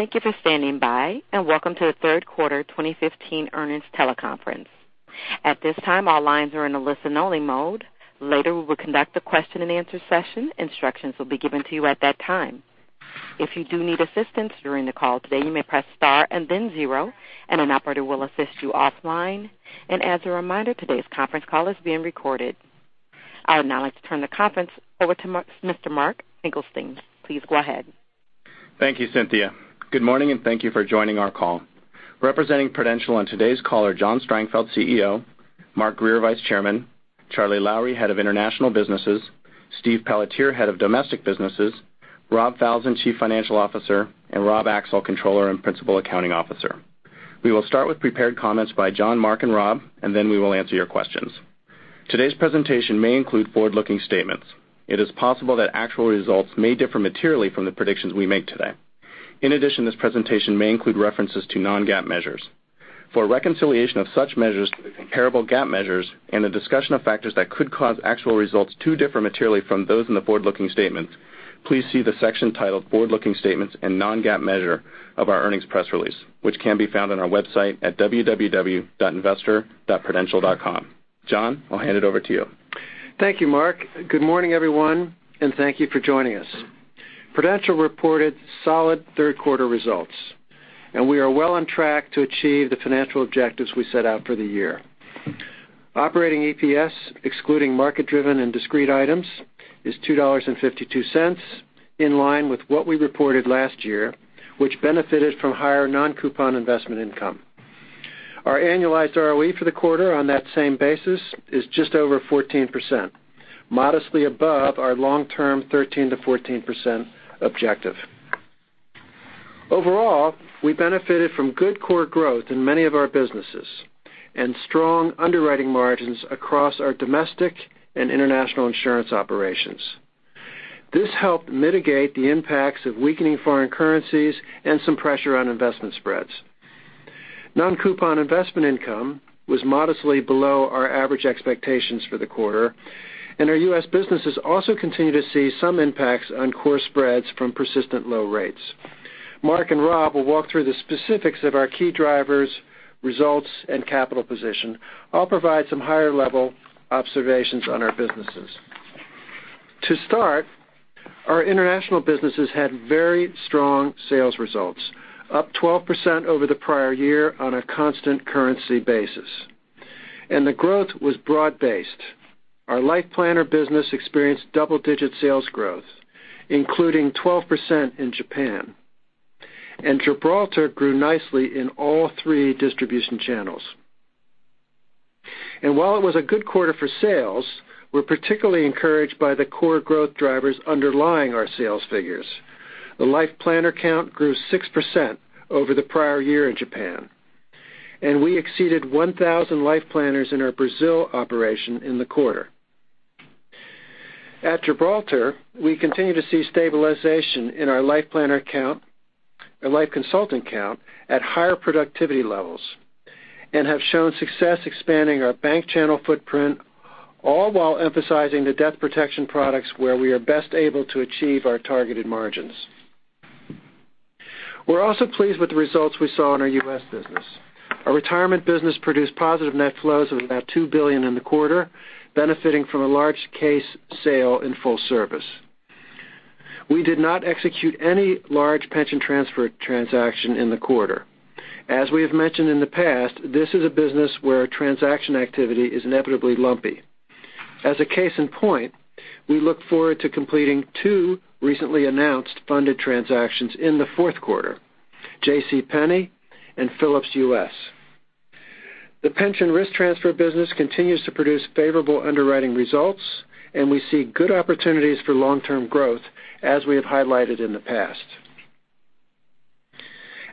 Thank you for standing by, and welcome to the third quarter 2015 earnings teleconference. At this time, all lines are in a listen-only mode. Later, we will conduct a question and answer session. Instructions will be given to you at that time. If you do need assistance during the call today, you may press star and then zero, and an operator will assist you offline. As a reminder, today's conference call is being recorded. I would now like to turn the conference over to Mr. Mark Finkelstein. Please go ahead. Thank you, Cynthia. Good morning, and thank you for joining our call. Representing Prudential on today's call are John Strangfeld, CEO; Mark Grier, Vice Chairman; Charlie Lowrey, Head of International Businesses; Steve Pelletier, Head of Domestic Businesses; Rob Falzon, Chief Financial Officer; and Rob Axel, Controller and Principal Accounting Officer. We will start with prepared comments by John, Mark, and Rob, then we will answer your questions. Today's presentation may include forward-looking statements. It is possible that actual results may differ materially from the predictions we make today. In addition, this presentation may include references to non-GAAP measures. For a reconciliation of such measures to comparable GAAP measures and a discussion of factors that could cause actual results to differ materially from those in the forward-looking statements, please see the section titled "Forward-Looking Statements and Non-GAAP Measure" of our earnings press release, which can be found on our website at www.investor.prudential.com. John, I'll hand it over to you. Thank you, Mark. Good morning, everyone, and thank you for joining us. Prudential reported solid third-quarter results, and we are well on track to achieve the financial objectives we set out for the year. Operating EPS, excluding market-driven and discrete items, is $2.52, in line with what we reported last year, which benefited from higher non-coupon investment income. Our annualized ROE for the quarter on that same basis is just over 14%, modestly above our long-term 13%-14% objective. Overall, we benefited from good core growth in many of our businesses and strong underwriting margins across our domestic and international insurance operations. This helped mitigate the impacts of weakening foreign currencies and some pressure on investment spreads. Non-coupon investment income was modestly below our average expectations for the quarter, and our U.S. businesses also continue to see some impacts on core spreads from persistent low rates. Mark and Rob will walk through the specifics of our key drivers, results, and capital position. I'll provide some higher-level observations on our businesses. To start, our international businesses had very strong sales results, up 12% over the prior year on a constant currency basis, and the growth was broad-based. Our LifePlanner business experienced double-digit sales growth, including 12% in Japan. Gibraltar grew nicely in all three distribution channels. While it was a good quarter for sales, we're particularly encouraged by the core growth drivers underlying our sales figures. The LifePlanner count grew 6% over the prior year in Japan, and we exceeded 1,000 LifePlanners in our Brazil operation in the quarter. At Gibraltar, we continue to see stabilization in our LifePlanner count or Life Consultant count at higher productivity levels and have shown success expanding our bank channel footprint, all while emphasizing the death protection products where we are best able to achieve our targeted margins. We're also pleased with the results we saw in our U.S. business. Our retirement business produced positive net flows of about $2 billion in the quarter, benefiting from a large case sale in full service. We did not execute any large pension transfer transaction in the quarter. As we have mentioned in the past, this is a business where transaction activity is inevitably lumpy. As a case in point, we look forward to completing two recently announced funded transactions in the fourth quarter: JCPenney and Philips U.S. The pension risk transfer business continues to produce favorable underwriting results, we see good opportunities for long-term growth, as we have highlighted in the past.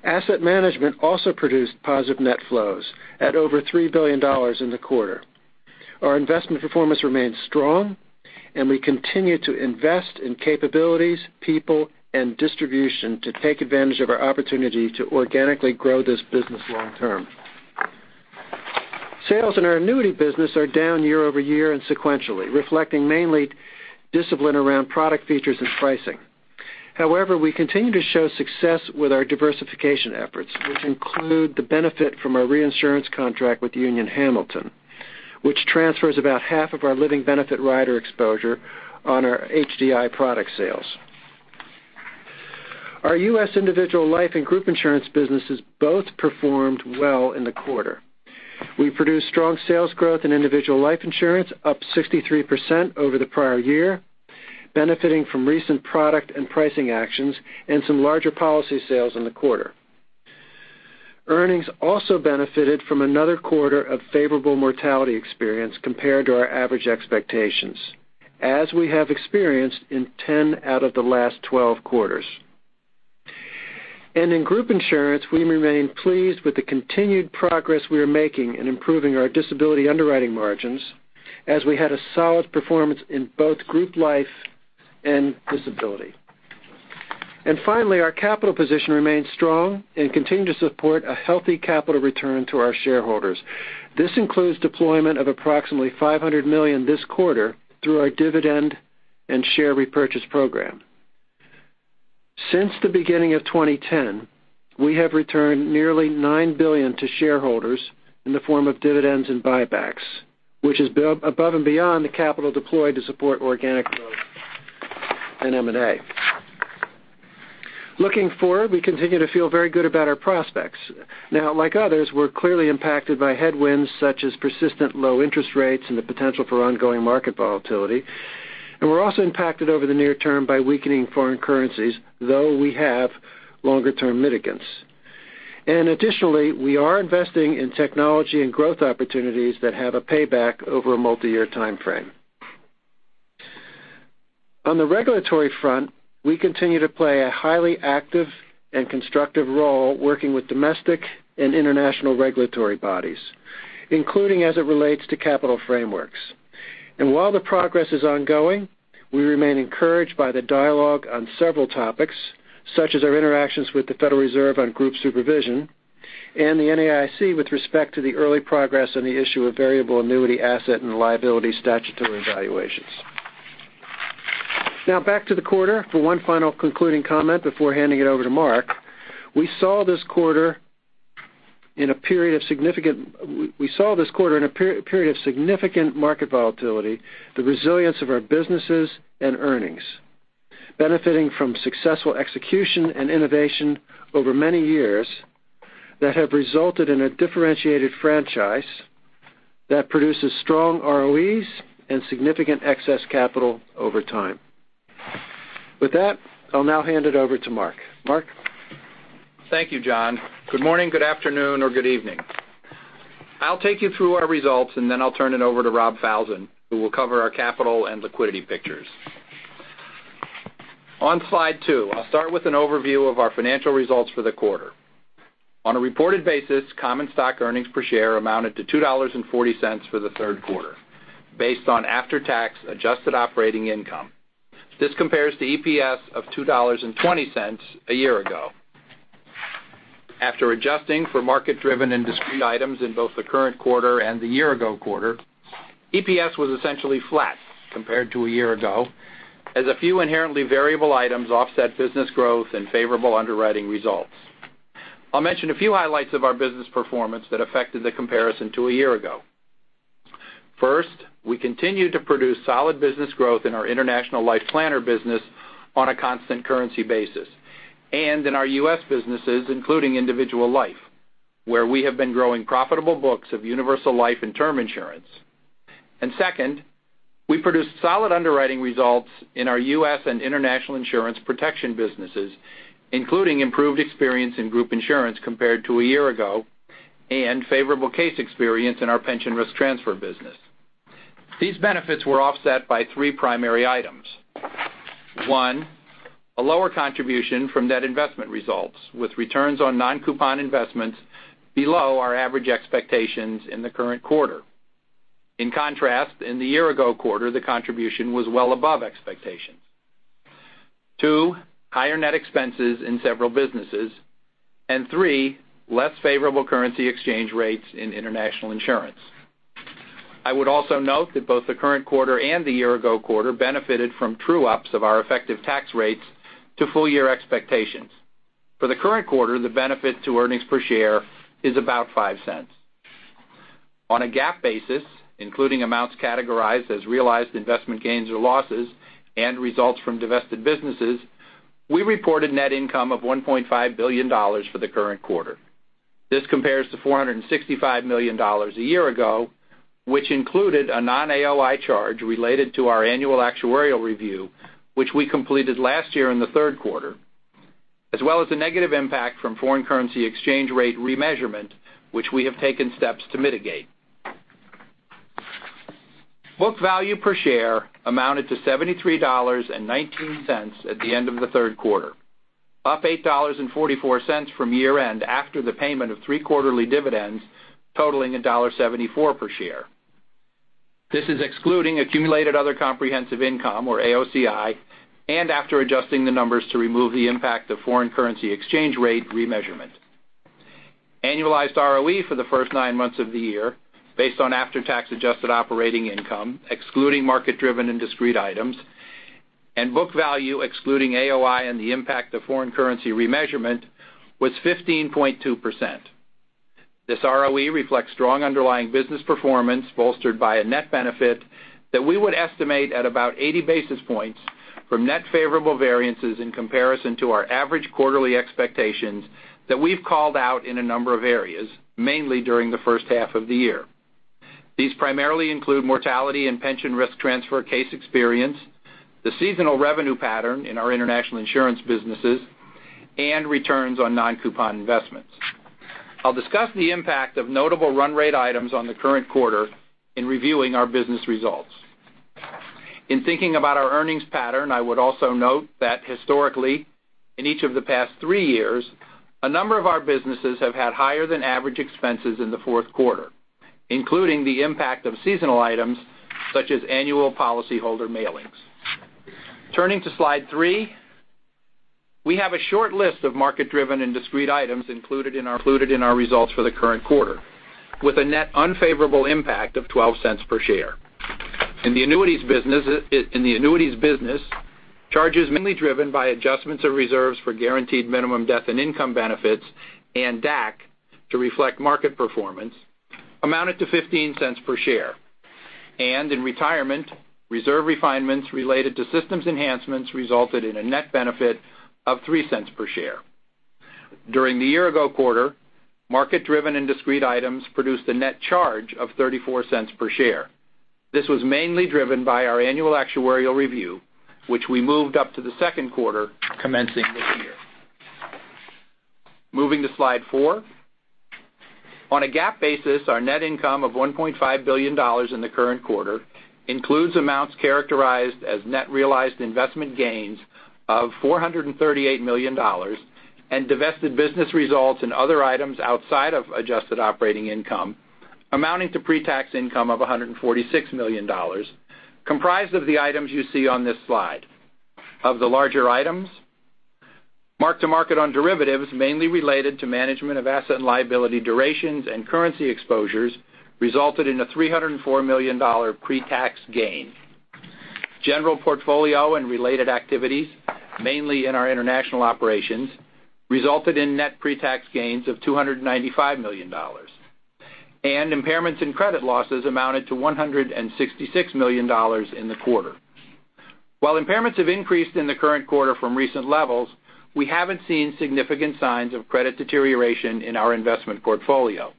Asset management also produced positive net flows at over $3 billion in the quarter. Our investment performance remains strong, and we continue to invest in capabilities, people, and distribution to take advantage of our opportunity to organically grow this business long term. Sales in our annuity business are down year-over-year and sequentially, reflecting mainly discipline around product features and pricing. However, we continue to show success with our diversification efforts, which include the benefit from our reinsurance contract with Union Hamilton, which transfers about half of our living benefit rider exposure on our HDI product sales. Our U.S. individual life and group insurance businesses both performed well in the quarter. We produced strong sales growth in individual life insurance, up 63% over the prior year, benefiting from recent product and pricing actions and some larger policy sales in the quarter. Earnings also benefited from another quarter of favorable mortality experience compared to our average expectations, as we have experienced in 10 out of the last 12 quarters. In group insurance, we remain pleased with the continued progress we are making in improving our disability underwriting margins as we had a solid performance in both group life and disability. Finally, our capital position remains strong and continue to support a healthy capital return to our shareholders. This includes deployment of approximately $500 million this quarter through our dividend and share repurchase program. Since the beginning of 2010, we have returned nearly $9 billion to shareholders in the form of dividends and buybacks, which is above and beyond the capital deployed to support organic growth in M&A. Looking forward, we continue to feel very good about our prospects. Like others, we're clearly impacted by headwinds such as persistent low interest rates and the potential for ongoing market volatility, and we're also impacted over the near term by weakening foreign currencies, though we have longer-term mitigants. Additionally, we are investing in technology and growth opportunities that have a payback over a multi-year timeframe. On the regulatory front, we continue to play a highly active and constructive role working with domestic and international regulatory bodies, including as it relates to capital frameworks. While the progress is ongoing, we remain encouraged by the dialogue on several topics, such as our interactions with the Federal Reserve on group supervision and the NAIC with respect to the early progress on the issue of variable annuity asset and liability statutory evaluations. Now, back to the quarter for one final concluding comment before handing it over to Mark. We saw this quarter in a period of significant market volatility the resilience of our businesses and earnings, benefiting from successful execution and innovation over many years that have resulted in a differentiated franchise that produces strong ROEs and significant excess capital over time. With that, I'll now hand it over to Mark. Mark? Thank you, John. Good morning, good afternoon, or good evening. I'll take you through our results, then I'll turn it over to Rob Falzon, who will cover our capital and liquidity pictures. On slide 2, I'll start with an overview of our financial results for the quarter. On a reported basis, common stock earnings per share amounted to $2.40 for the third quarter, based on after-tax adjusted operating income. This compares to EPS of $2.20 a year ago. After adjusting for market-driven and discrete items in both the current quarter and the year-ago quarter, EPS was essentially flat compared to a year ago, as a few inherently variable items offset business growth and favorable underwriting results. I'll mention a few highlights of our business performance that affected the comparison to a year ago. First, we continued to produce solid business growth in our International LifePlanner business on a constant currency basis and in our U.S. businesses, including Individual Life, where we have been growing profitable books of universal life and term insurance. Second, we produced solid underwriting results in our U.S. and International Insurance Protection businesses, including improved experience in group insurance compared to a year ago and favorable case experience in our pension risk transfer business. These benefits were offset by three primary items. One, a lower contribution from net investment results, with returns on non-coupon investments below our average expectations in the current quarter. In contrast, in the year-ago quarter, the contribution was well above expectations. Two, higher net expenses in several businesses. Three, less favorable currency exchange rates in international insurance. I would also note that both the current quarter and the year-ago quarter benefited from true-ups of our effective tax rates to full-year expectations. For the current quarter, the benefit to earnings per share is about $0.50. On a GAAP basis, including amounts categorized as realized investment gains or losses and results from divested businesses, we reported net income of $1.5 billion for the current quarter. This compares to $465 million a year ago, which included a non-AOI charge related to our annual actuarial review, which we completed last year in the third quarter, as well as a negative impact from foreign currency exchange rate remeasurement, which we have taken steps to mitigate. Book value per share amounted to $73.19 at the end of the third quarter, up $8.44 from year-end after the payment of three quarterly dividends totaling $1.74 per share. This is excluding accumulated other comprehensive income, or AOCI, and after adjusting the numbers to remove the impact of foreign currency exchange rate remeasurement. Annualized ROE for the first nine months of the year, based on after-tax adjusted operating income, excluding market-driven and discrete items, and book value excluding AOI and the impact of foreign currency remeasurement, was 15.2%. This ROE reflects strong underlying business performance bolstered by a net benefit that we would estimate at about 80 basis points from net favorable variances in comparison to our average quarterly expectations that we've called out in a number of areas, mainly during the first half of the year. These primarily include mortality and pension risk transfer case experience, the seasonal revenue pattern in our international insurance businesses, and returns on non-coupon investments. I'll discuss the impact of notable run rate items on the current quarter in reviewing our business results. In thinking about our earnings pattern, I would also note that historically, in each of the past three years, a number of our businesses have had higher than average expenses in the fourth quarter, including the impact of seasonal items such as annual policyholder mailings. Turning to slide three. We have a short list of market-driven and discrete items included in our results for the current quarter, with a net unfavorable impact of $0.12 per share. In the annuities business, charges mainly driven by adjustments of reserves for guaranteed minimum death and income benefits and DAC to reflect market performance amounted to $0.15 per share. In retirement, reserve refinements related to systems enhancements resulted in a net benefit of $0.3 per share. During the year ago quarter, market-driven and discrete items produced a net charge of $0.34 per share. This was mainly driven by our annual actuarial review, which we moved up to the second quarter commencing this year. Moving to slide four. On a GAAP basis, our net income of $1.5 billion in the current quarter includes amounts characterized as net realized investment gains of $438 million and divested business results and other items outside of adjusted operating income amounting to pre-tax income of $146 million, comprised of the items you see on this slide. Of the larger items, mark-to-market on derivatives, mainly related to management of asset and liability durations and currency exposures, resulted in a $304 million pre-tax gain. General portfolio and related activities, mainly in our international operations, resulted in net pre-tax gains of $295 million. Impairments and credit losses amounted to $166 million in the quarter. While impairments have increased in the current quarter from recent levels, we haven't seen significant signs of credit deterioration in our investment portfolio.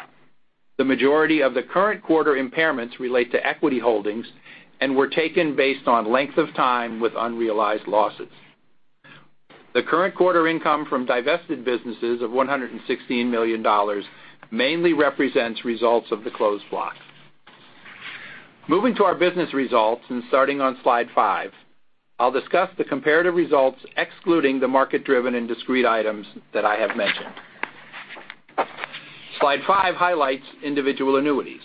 The majority of the current quarter impairments relate to equity holdings and were taken based on length of time with unrealized losses. The current quarter income from divested businesses of $116 million mainly represents results of the closed block. Moving to our business results and starting on slide five, I'll discuss the comparative results excluding the market-driven and discrete items that I have mentioned. Slide five highlights individual annuities.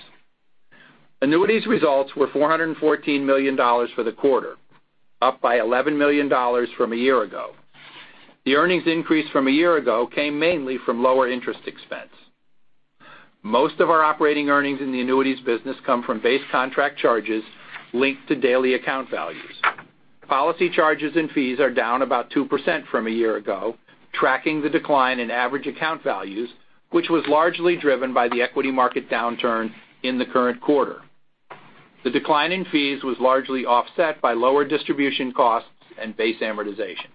Annuities results were $414 million for the quarter, up by $11 million from a year ago. The earnings increase from a year ago came mainly from lower interest expense. Most of our operating earnings in the annuities business come from base contract charges linked to daily account values. Policy charges and fees are down about 2% from a year ago, tracking the decline in average account values, which was largely driven by the equity market downturn in the current quarter. The decline in fees was largely offset by lower distribution costs and base amortization.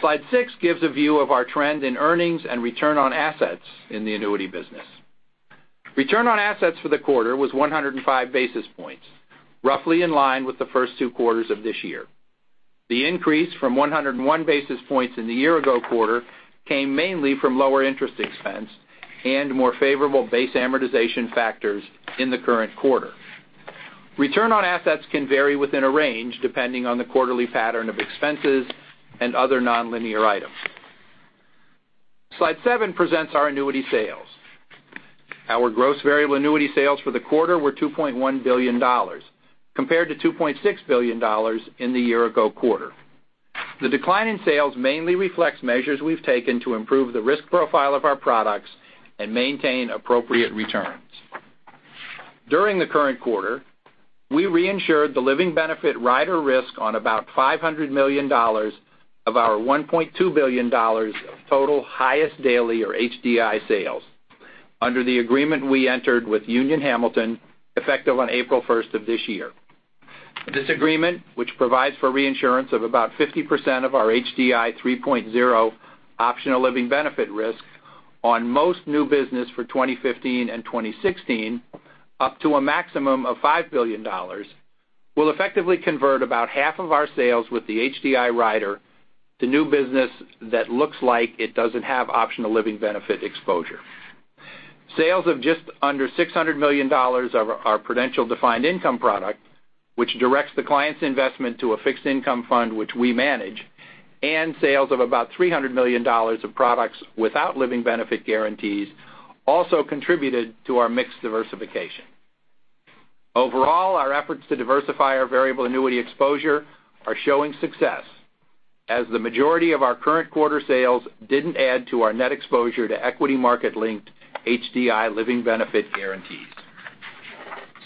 Slide six gives a view of our trend in earnings and return on assets in the annuity business. Return on assets for the quarter was 105 basis points, roughly in line with the first two quarters of this year. The increase from 101 basis points in the year-ago quarter came mainly from lower interest expense and more favorable base amortization factors in the current quarter. Return on assets can vary within a range, depending on the quarterly pattern of expenses and other nonlinear items. Slide seven presents our annuity sales. Our gross variable annuity sales for the quarter were $2.1 billion, compared to $2.6 billion in the year-ago quarter. The decline in sales mainly reflects measures we've taken to improve the risk profile of our products and maintain appropriate returns. During the current quarter, we reinsured the living benefit rider risk on about $500 million of our $1.2 billion of total highest daily or HDI sales under the agreement we entered with Union Hamilton effective on April 1st of this year. This agreement, which provides for reinsurance of about 50% of our HDI 3.0 optional living benefit risk on most new business for 2015 and 2016, up to a maximum of $5 billion, will effectively convert about half of our sales with the HDI rider to new business that looks like it doesn't have optional living benefit exposure. Sales of just under $600 million of our Prudential Defined Income product, which directs the client's investment to a fixed income fund which we manage, and sales of about $300 million of products without living benefit guarantees, also contributed to our mix diversification. Overall, our efforts to diversify our variable annuity exposure are showing success as the majority of our current quarter sales didn't add to our net exposure to equity market-linked HDI living benefit guarantees.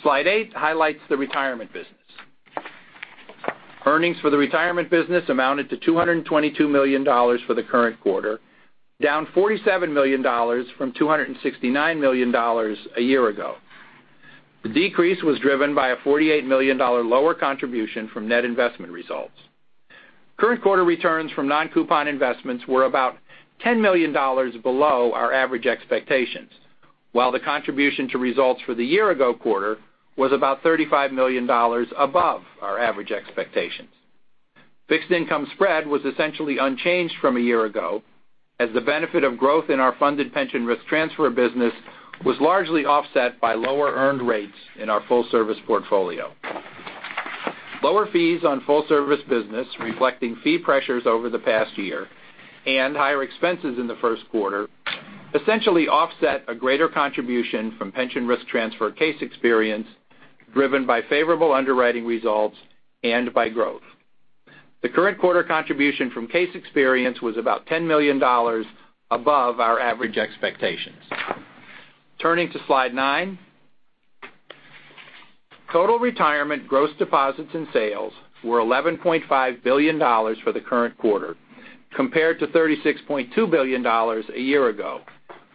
Slide eight highlights the retirement business. Earnings for the retirement business amounted to $222 million for the current quarter, down $47 million from $269 million a year ago. The decrease was driven by a $48 million lower contribution from net investment results. Current quarter returns from non-coupon investments were about $10 million below our average expectations, while the contribution to results for the year-ago quarter was about $35 million above our average expectations. Fixed income spread was essentially unchanged from a year ago, as the benefit of growth in our funded pension risk transfer business was largely offset by lower earned rates in our full service portfolio. Lower fees on full service business reflecting fee pressures over the past year. Higher expenses in the first quarter essentially offset a greater contribution from pension risk transfer case experience, driven by favorable underwriting results and by growth. The current quarter contribution from case experience was about $10 million above our average expectations. Turning to slide nine. Total retirement gross deposits and sales were $11.5 billion for the current quarter, compared to $36.2 billion a year ago,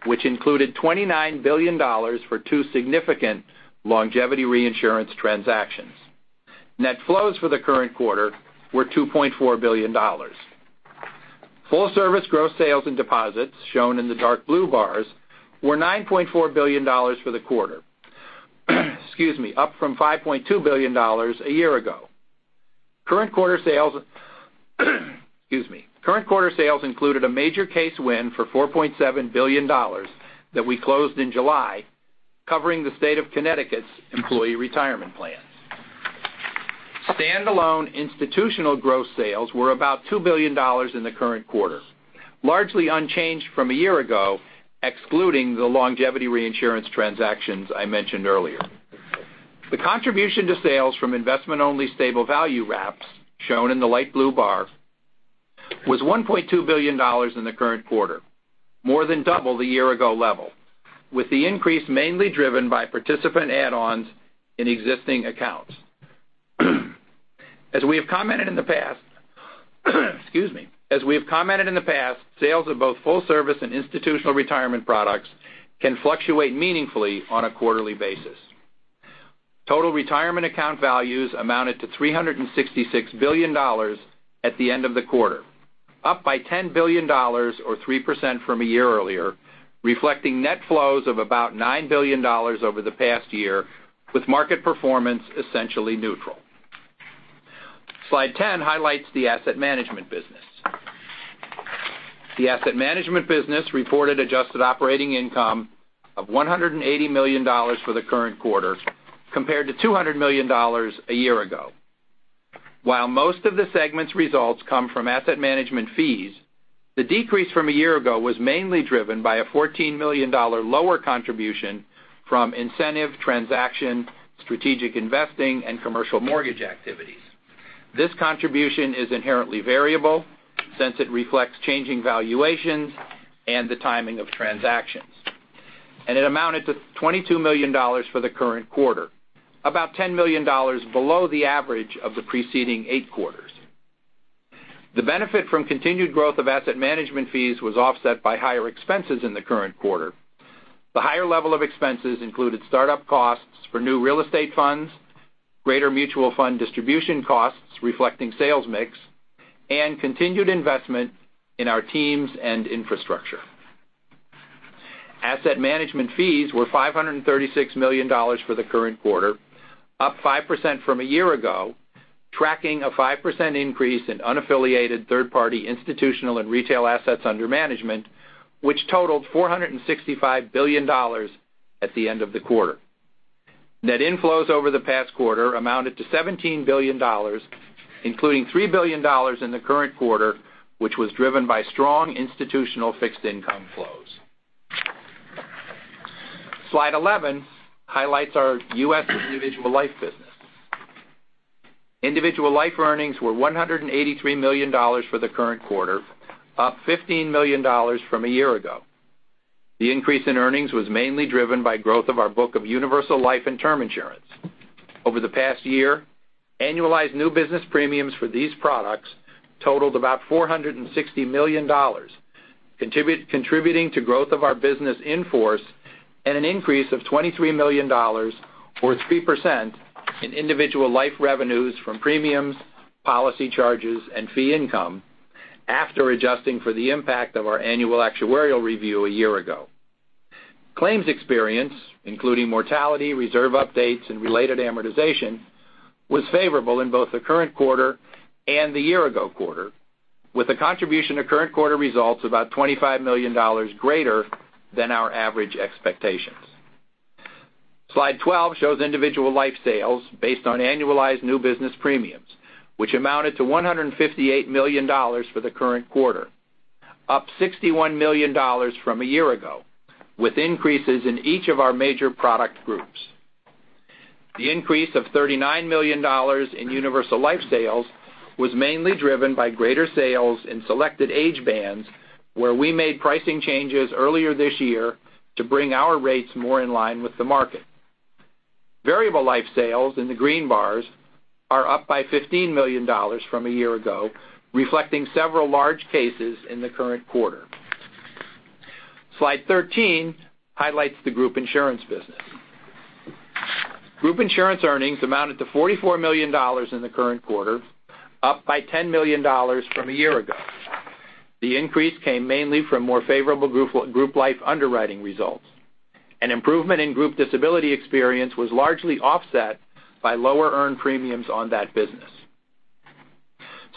which included $29 billion for two significant longevity reinsurance transactions. Net flows for the current quarter were $2.4 billion. Full service gross sales and deposits, shown in the dark blue bars, were $9.4 billion for the quarter, up from $5.2 billion a year ago. Current quarter sales included a major case win for $4.7 billion that we closed in July, covering the state of Connecticut's employee retirement plans. Standalone institutional gross sales were about $2 billion in the current quarter, largely unchanged from a year ago, excluding the longevity reinsurance transactions I mentioned earlier. The contribution to sales from investment-only stable value wraps, shown in the light blue bar, was $1.2 billion in the current quarter, more than double the year-ago level, with the increase mainly driven by participant add-ons in existing accounts. As we have commented in the past, sales of both full service and institutional retirement products can fluctuate meaningfully on a quarterly basis. Total retirement account values amounted to $366 billion at the end of the quarter, up by $10 billion or 3% from a year earlier, reflecting net flows of about $9 billion over the past year, with market performance essentially neutral. Slide 10 highlights the asset management business. The asset management business reported adjusted operating income of $180 million for the current quarter, compared to $200 million a year ago. While most of the segment's results come from asset management fees, the decrease from a year ago was mainly driven by a $14 million lower contribution from incentive transaction, strategic investing, and commercial mortgage activities. This contribution is inherently variable, since it reflects changing valuations and the timing of transactions. It amounted to $22 million for the current quarter, about $10 million below the average of the preceding eight quarters. The benefit from continued growth of asset management fees was offset by higher expenses in the current quarter. The higher level of expenses included startup costs for new real estate funds, greater mutual fund distribution costs reflecting sales mix, and continued investment in our teams and infrastructure. Asset management fees were $536 million for the current quarter, up 5% from a year ago, tracking a 5% increase in unaffiliated third-party institutional and retail assets under management, which totaled $465 billion at the end of the quarter. Net inflows over the past quarter amounted to $17 billion, including $3 billion in the current quarter, which was driven by strong institutional fixed income flows. Slide 11 highlights our U.S. individual life business. Individual life earnings were $183 million for the current quarter, up $15 million from a year ago. The increase in earnings was mainly driven by growth of our book of universal life and term insurance. Over the past year, annualized new business premiums for these products totaled about $460 million, contributing to growth of our business in force and an increase of $23 million or 3% in individual life revenues from premiums, policy charges and fee income, after adjusting for the impact of our annual actuarial review a year ago. Claims experience, including mortality, reserve updates, and related amortization, was favorable in both the current quarter and the year-ago quarter, with a contribution to current quarter results about $25 million greater than our average expectations. Slide 12 shows individual life sales based on annualized new business premiums, which amounted to $158 million for the current quarter, up $61 million from a year ago, with increases in each of our major product groups. The increase of $39 million in universal life sales was mainly driven by greater sales in selected age bands where we made pricing changes earlier this year to bring our rates more in line with the market. Variable life sales, in the green bars, are up by $15 million from a year ago, reflecting several large cases in the current quarter. Slide 13 highlights the Group Insurance business. Group Insurance earnings amounted to $44 million in the current quarter, up by $10 million from a year ago. The increase came mainly from more favorable Group Life underwriting results. An improvement in Group Disability experience was largely offset by lower earned premiums on that business.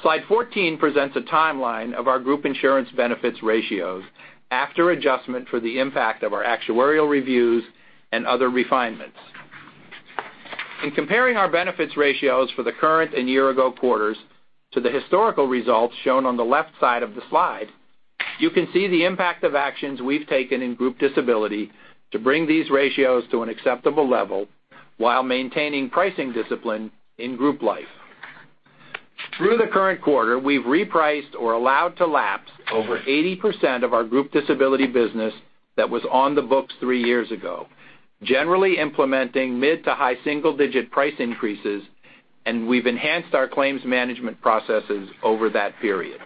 Slide 14 presents a timeline of our Group Insurance benefits ratios after adjustment for the impact of our actuarial reviews and other refinements. In comparing our benefits ratios for the current and year-ago quarters to the historical results shown on the left side of the slide, you can see the impact of actions we've taken in Group Disability to bring these ratios to an acceptable level while maintaining pricing discipline in Group Life. Through the current quarter, we've repriced or allowed to lapse over 80% of our Group Disability business that was on the books three years ago, generally implementing mid to high single-digit price increases, and we've enhanced our claims management processes over that period.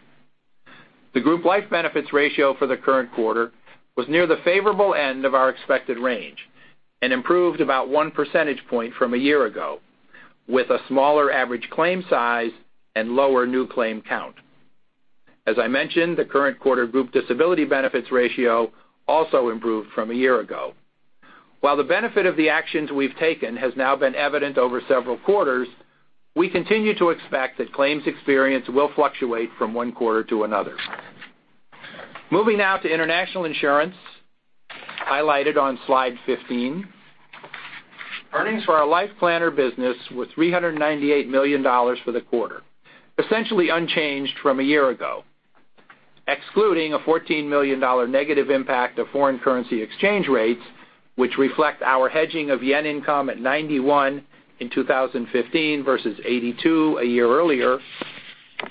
The Group Life benefits ratio for the current quarter was near the favorable end of our expected range and improved about one percentage point from a year ago, with a smaller average claim size and lower new claim count. As I mentioned, the current quarter Group Disability benefits ratio also improved from a year ago. While the benefit of the actions we've taken has now been evident over several quarters, we continue to expect that claims experience will fluctuate from one quarter to another. Moving now to international insurance, highlighted on Slide 15. Earnings for our LifePlanner business were $398 million for the quarter, essentially unchanged from a year ago. Excluding a $14 million negative impact of foreign currency exchange rates, which reflect our hedging of yen income at 91 in 2015 versus 82 a year earlier,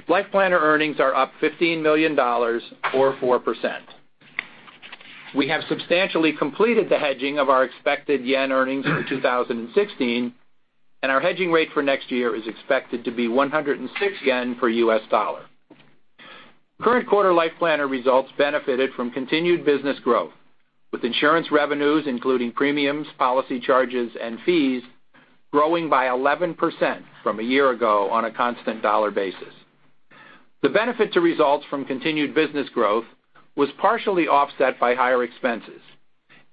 LifePlanner earnings are up $15 million or 4%. We have substantially completed the hedging of our expected yen earnings for 2016, our hedging rate for next year is expected to be 106 yen per US dollar. Current quarter LifePlanner results benefited from continued business growth, with insurance revenues, including premiums, policy charges, and fees, growing by 11% from a year ago on a constant dollar basis. The benefit to results from continued business growth was partially offset by higher expenses,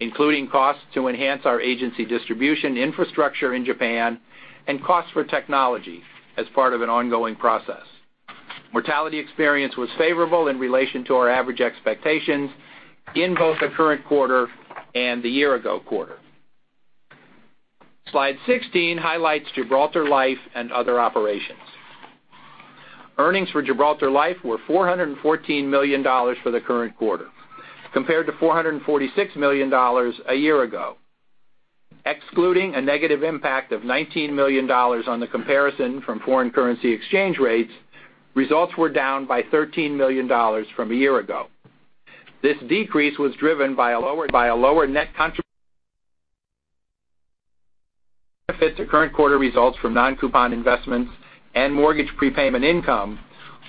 including costs to enhance our agency distribution infrastructure in Japan and costs for technology as part of an ongoing process. Mortality experience was favorable in relation to our average expectations in both the current quarter and the year-ago quarter. Slide 16 highlights Gibraltar Life and Other Operations. Earnings for Gibraltar Life were $414 million for the current quarter, compared to $446 million a year ago. Excluding a negative impact of $19 million on the comparison from foreign currency exchange rates, results were down by $13 million from a year ago. This decrease was driven by a lower net contribution. Benefit to current quarter results from non-coupon investments and mortgage prepayment income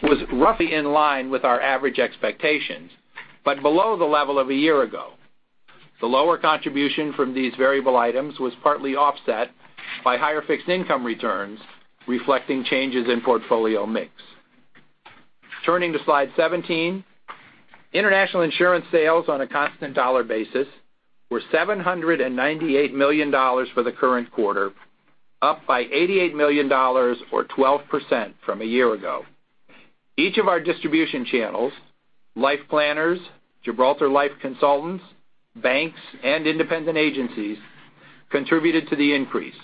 was roughly in line with our average expectations but below the level of a year ago. The lower contribution from these variable items was partly offset by higher fixed income returns, reflecting changes in portfolio mix. Turning to Slide 17, international insurance sales on a constant dollar basis were $798 million for the current quarter, up by $88 million or 12% from a year ago. Each of our distribution channels, LifePlanners, Gibraltar Life Consultants, banks, and independent agencies, contributed to the increase,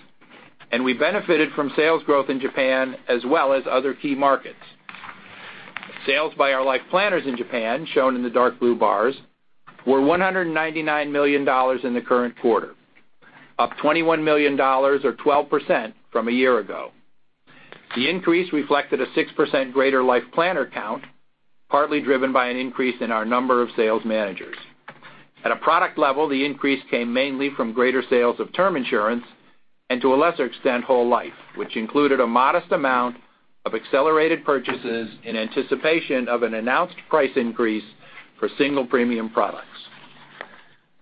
and we benefited from sales growth in Japan as well as other key markets. Sales by our LifePlanners in Japan, shown in the dark blue bars, were $199 million in the current quarter, up $21 million or 12% from a year ago. The increase reflected a 6% greater LifePlanner count, partly driven by an increase in our number of sales managers. At a product level, the increase came mainly from greater sales of term insurance and, to a lesser extent, whole life, which included a modest amount of accelerated purchases in anticipation of an announced price increase for single premium products.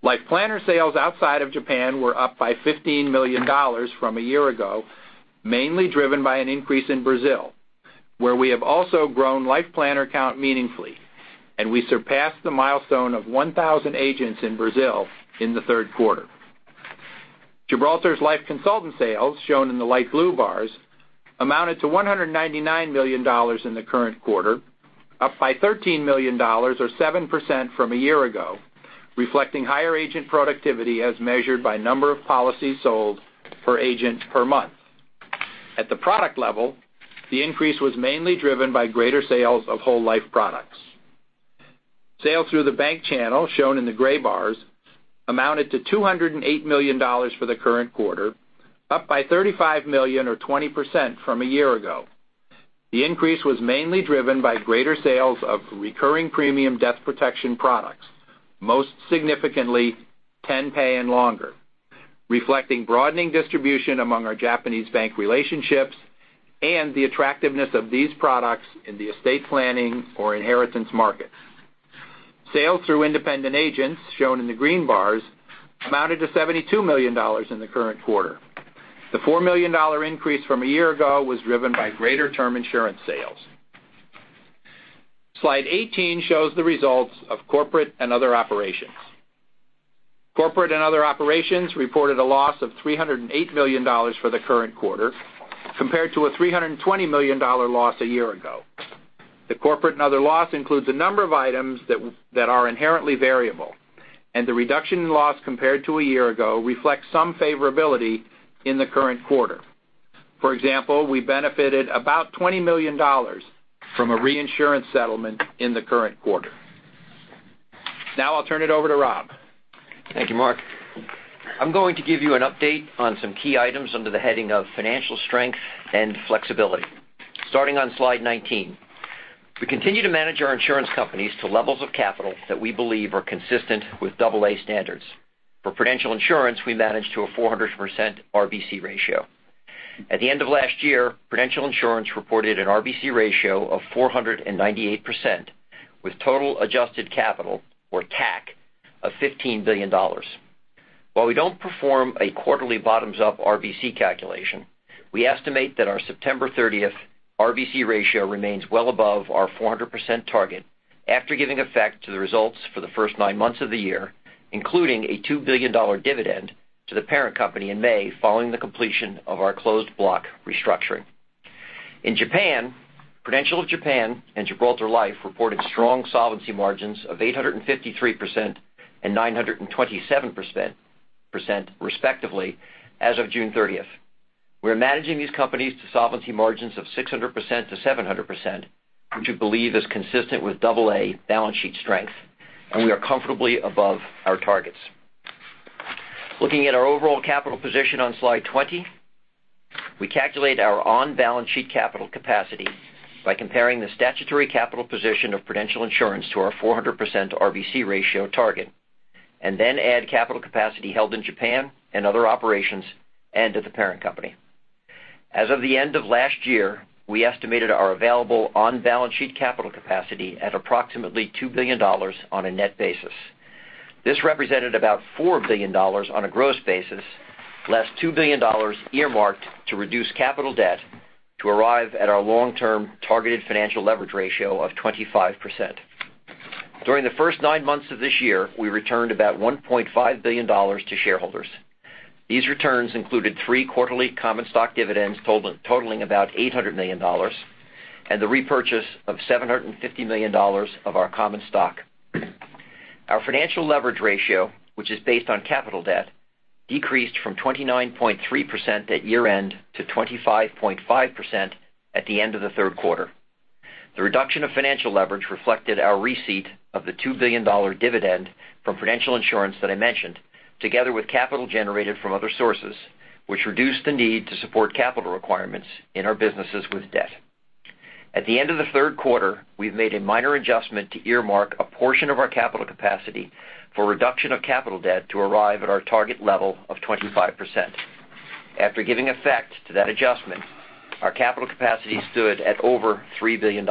LifePlanner sales outside of Japan were up by $15 million from a year ago, mainly driven by an increase in Brazil, where we have also grown LifePlanner count meaningfully, and we surpassed the milestone of 1,000 agents in Brazil in the third quarter. Gibraltar's Life Consultant sales, shown in the light blue bars, amounted to $199 million in the current quarter, up by $13 million or 7% from a year ago, reflecting higher agent productivity as measured by number of policies sold per agent per month. At the product level, the increase was mainly driven by greater sales of whole life products. Sales through the bank channel, shown in the gray bars, amounted to $208 million for the current quarter, up by $35 million or 20% from a year ago. The increase was mainly driven by greater sales of recurring premium death protection products, most significantly 10-pay and longer, reflecting broadening distribution among our Japanese bank relationships and the attractiveness of these products in the estate planning or inheritance markets. Sales through independent agents, shown in the green bars, amounted to $72 million in the current quarter. The $4 million increase from a year ago was driven by greater term insurance sales. Slide 18 shows the results of corporate and other operations. Corporate and other operations reported a loss of $308 million for the current quarter, compared to a $320 million loss a year ago. The corporate and other loss includes a number of items that are inherently variable, and the reduction in loss compared to a year ago reflects some favorability in the current quarter. For example, we benefited about $20 million from a reinsurance settlement in the current quarter. Now I'll turn it over to Rob. Thank you, Mark. I'm going to give you an update on some key items under the heading of financial strength and flexibility. Starting on slide 19. We continue to manage our insurance companies to levels of capital that we believe are consistent with double A standards. For Prudential Insurance, we manage to a 400% RBC ratio. At the end of last year, Prudential Insurance reported an RBC ratio of 498%, with total adjusted capital, or TAC, of $15 billion. While we don't perform a quarterly bottoms-up RBC calculation, we estimate that our September 30th RBC ratio remains well above our 400% target after giving effect to the results for the first nine months of the year, including a $2 billion dividend to the parent company in May following the completion of our closed block restructuring. In Japan, Prudential of Japan and Gibraltar Life reported strong solvency margins of 853% and 927%, respectively, as of June 30th. We are managing these companies to solvency margins of 600%-700%, which we believe is consistent with double A balance sheet strength, and we are comfortably above our targets. Looking at our overall capital position on slide 20, we calculate our on-balance sheet capital capacity by comparing the statutory capital position of Prudential Insurance to our 400% RBC ratio target, and then add capital capacity held in Japan and other operations and to the parent company. As of the end of last year, we estimated our available on-balance sheet capital capacity at approximately $2 billion on a net basis. This represented about $4 billion on a gross basis, less $2 billion earmarked to reduce capital debt to arrive at our long-term targeted financial leverage ratio of 25%. During the first nine months of this year, we returned about $1.5 billion to shareholders. These returns included three quarterly common stock dividends totaling about $800 million, and the repurchase of $750 million of our common stock. Our financial leverage ratio, which is based on capital debt, decreased from 29.3% at year-end to 25.5% at the end of the third quarter. The reduction of financial leverage reflected our receipt of the $2 billion dividend from Prudential Insurance that I mentioned, together with capital generated from other sources, which reduced the need to support capital requirements in our businesses with debt. At the end of the third quarter, we've made a minor adjustment to earmark a portion of our capital capacity for reduction of capital debt to arrive at our target level of 25%. After giving effect to that adjustment, our capital capacity stood at over $3 billion.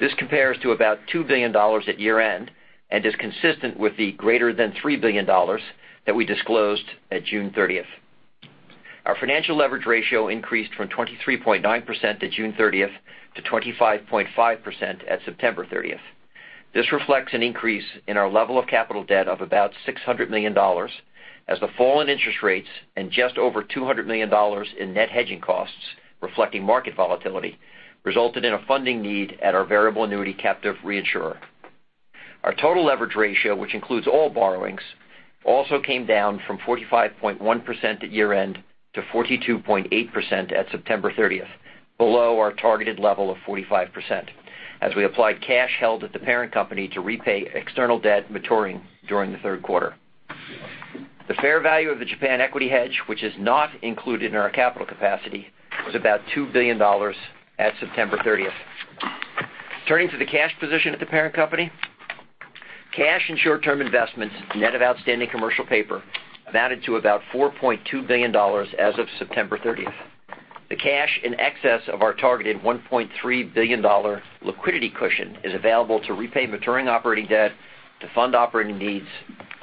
This compares to about $2 billion at year-end and is consistent with the greater than $3 billion that we disclosed at June 30th. Our financial leverage ratio increased from 23.9% at June 30th to 25.5% at September 30th. This reflects an increase in our level of capital debt of about $600 million as the fall in interest rates and just over $200 million in net hedging costs, reflecting market volatility, resulted in a funding need at our variable annuity captive reinsurer. Our total leverage ratio, which includes all borrowings, also came down from 45.1% at year-end to 42.8% at September 30th, below our targeted level of 45%, as we applied cash held at the parent company to repay external debt maturing during the third quarter. The fair value of the Japan equity hedge, which is not included in our capital capacity, was about $2 billion at September 30th. Turning to the cash position of the parent company, cash and short-term investments, net of outstanding commercial paper, amounted to about $4.2 billion as of September 30th. The cash in excess of our targeted $1.3 billion liquidity cushion is available to repay maturing operating debt, to fund operating needs,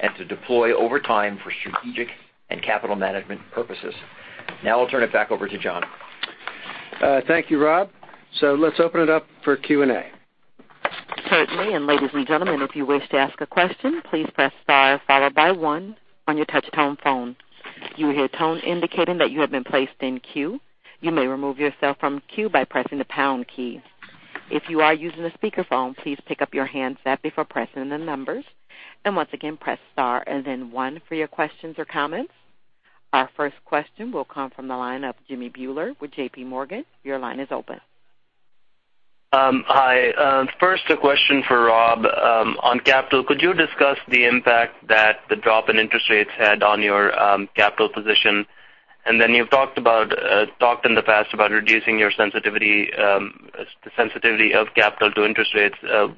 and to deploy over time for strategic and capital management purposes. I'll turn it back over to John. Thank you, Rob. Let's open it up for Q&A. Certainly, ladies and gentlemen, if you wish to ask a question, please press star followed by one on your touch tone phone. You will hear a tone indicating that you have been placed in queue. You may remove yourself from queue by pressing the pound key. If you are using a speakerphone, please pick up your handset before pressing the numbers. Once again, press star and then one for your questions or comments. Our first question will come from the line of Jimmy Bhullar with JP Morgan. Your line is open. Hi. First, a question for Rob on capital. Could you discuss the impact that the drop in interest rates had on your capital position? You've talked in the past about reducing the sensitivity of capital to interest rates.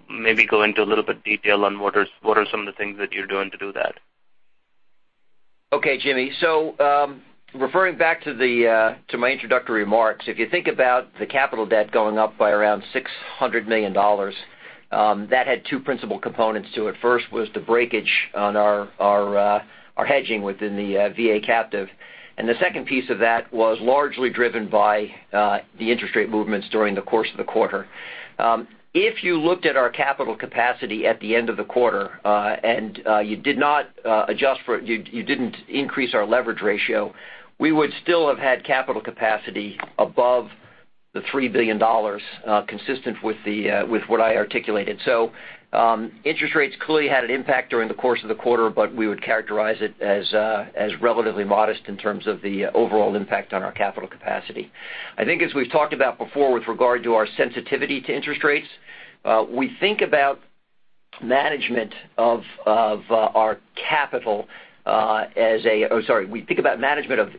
Maybe go into a little bit detail on what are some of the things that you're doing to do that? Okay, Jimmy. Referring back to my introductory remarks, if you think about the capital debt going up by around $600 million, that had two principal components to it. First was the breakage on our hedging within the VA captive, the second piece of that was largely driven by the interest rate movements during the course of the quarter. If you looked at our capital capacity at the end of the quarter, you didn't increase our leverage ratio, we would still have had capital capacity above the $3 billion consistent with what I articulated. Interest rates clearly had an impact during the course of the quarter, but we would characterize it as relatively modest in terms of the overall impact on our capital capacity. I think as we've talked about before with regard to our sensitivity to interest rates, we think about management of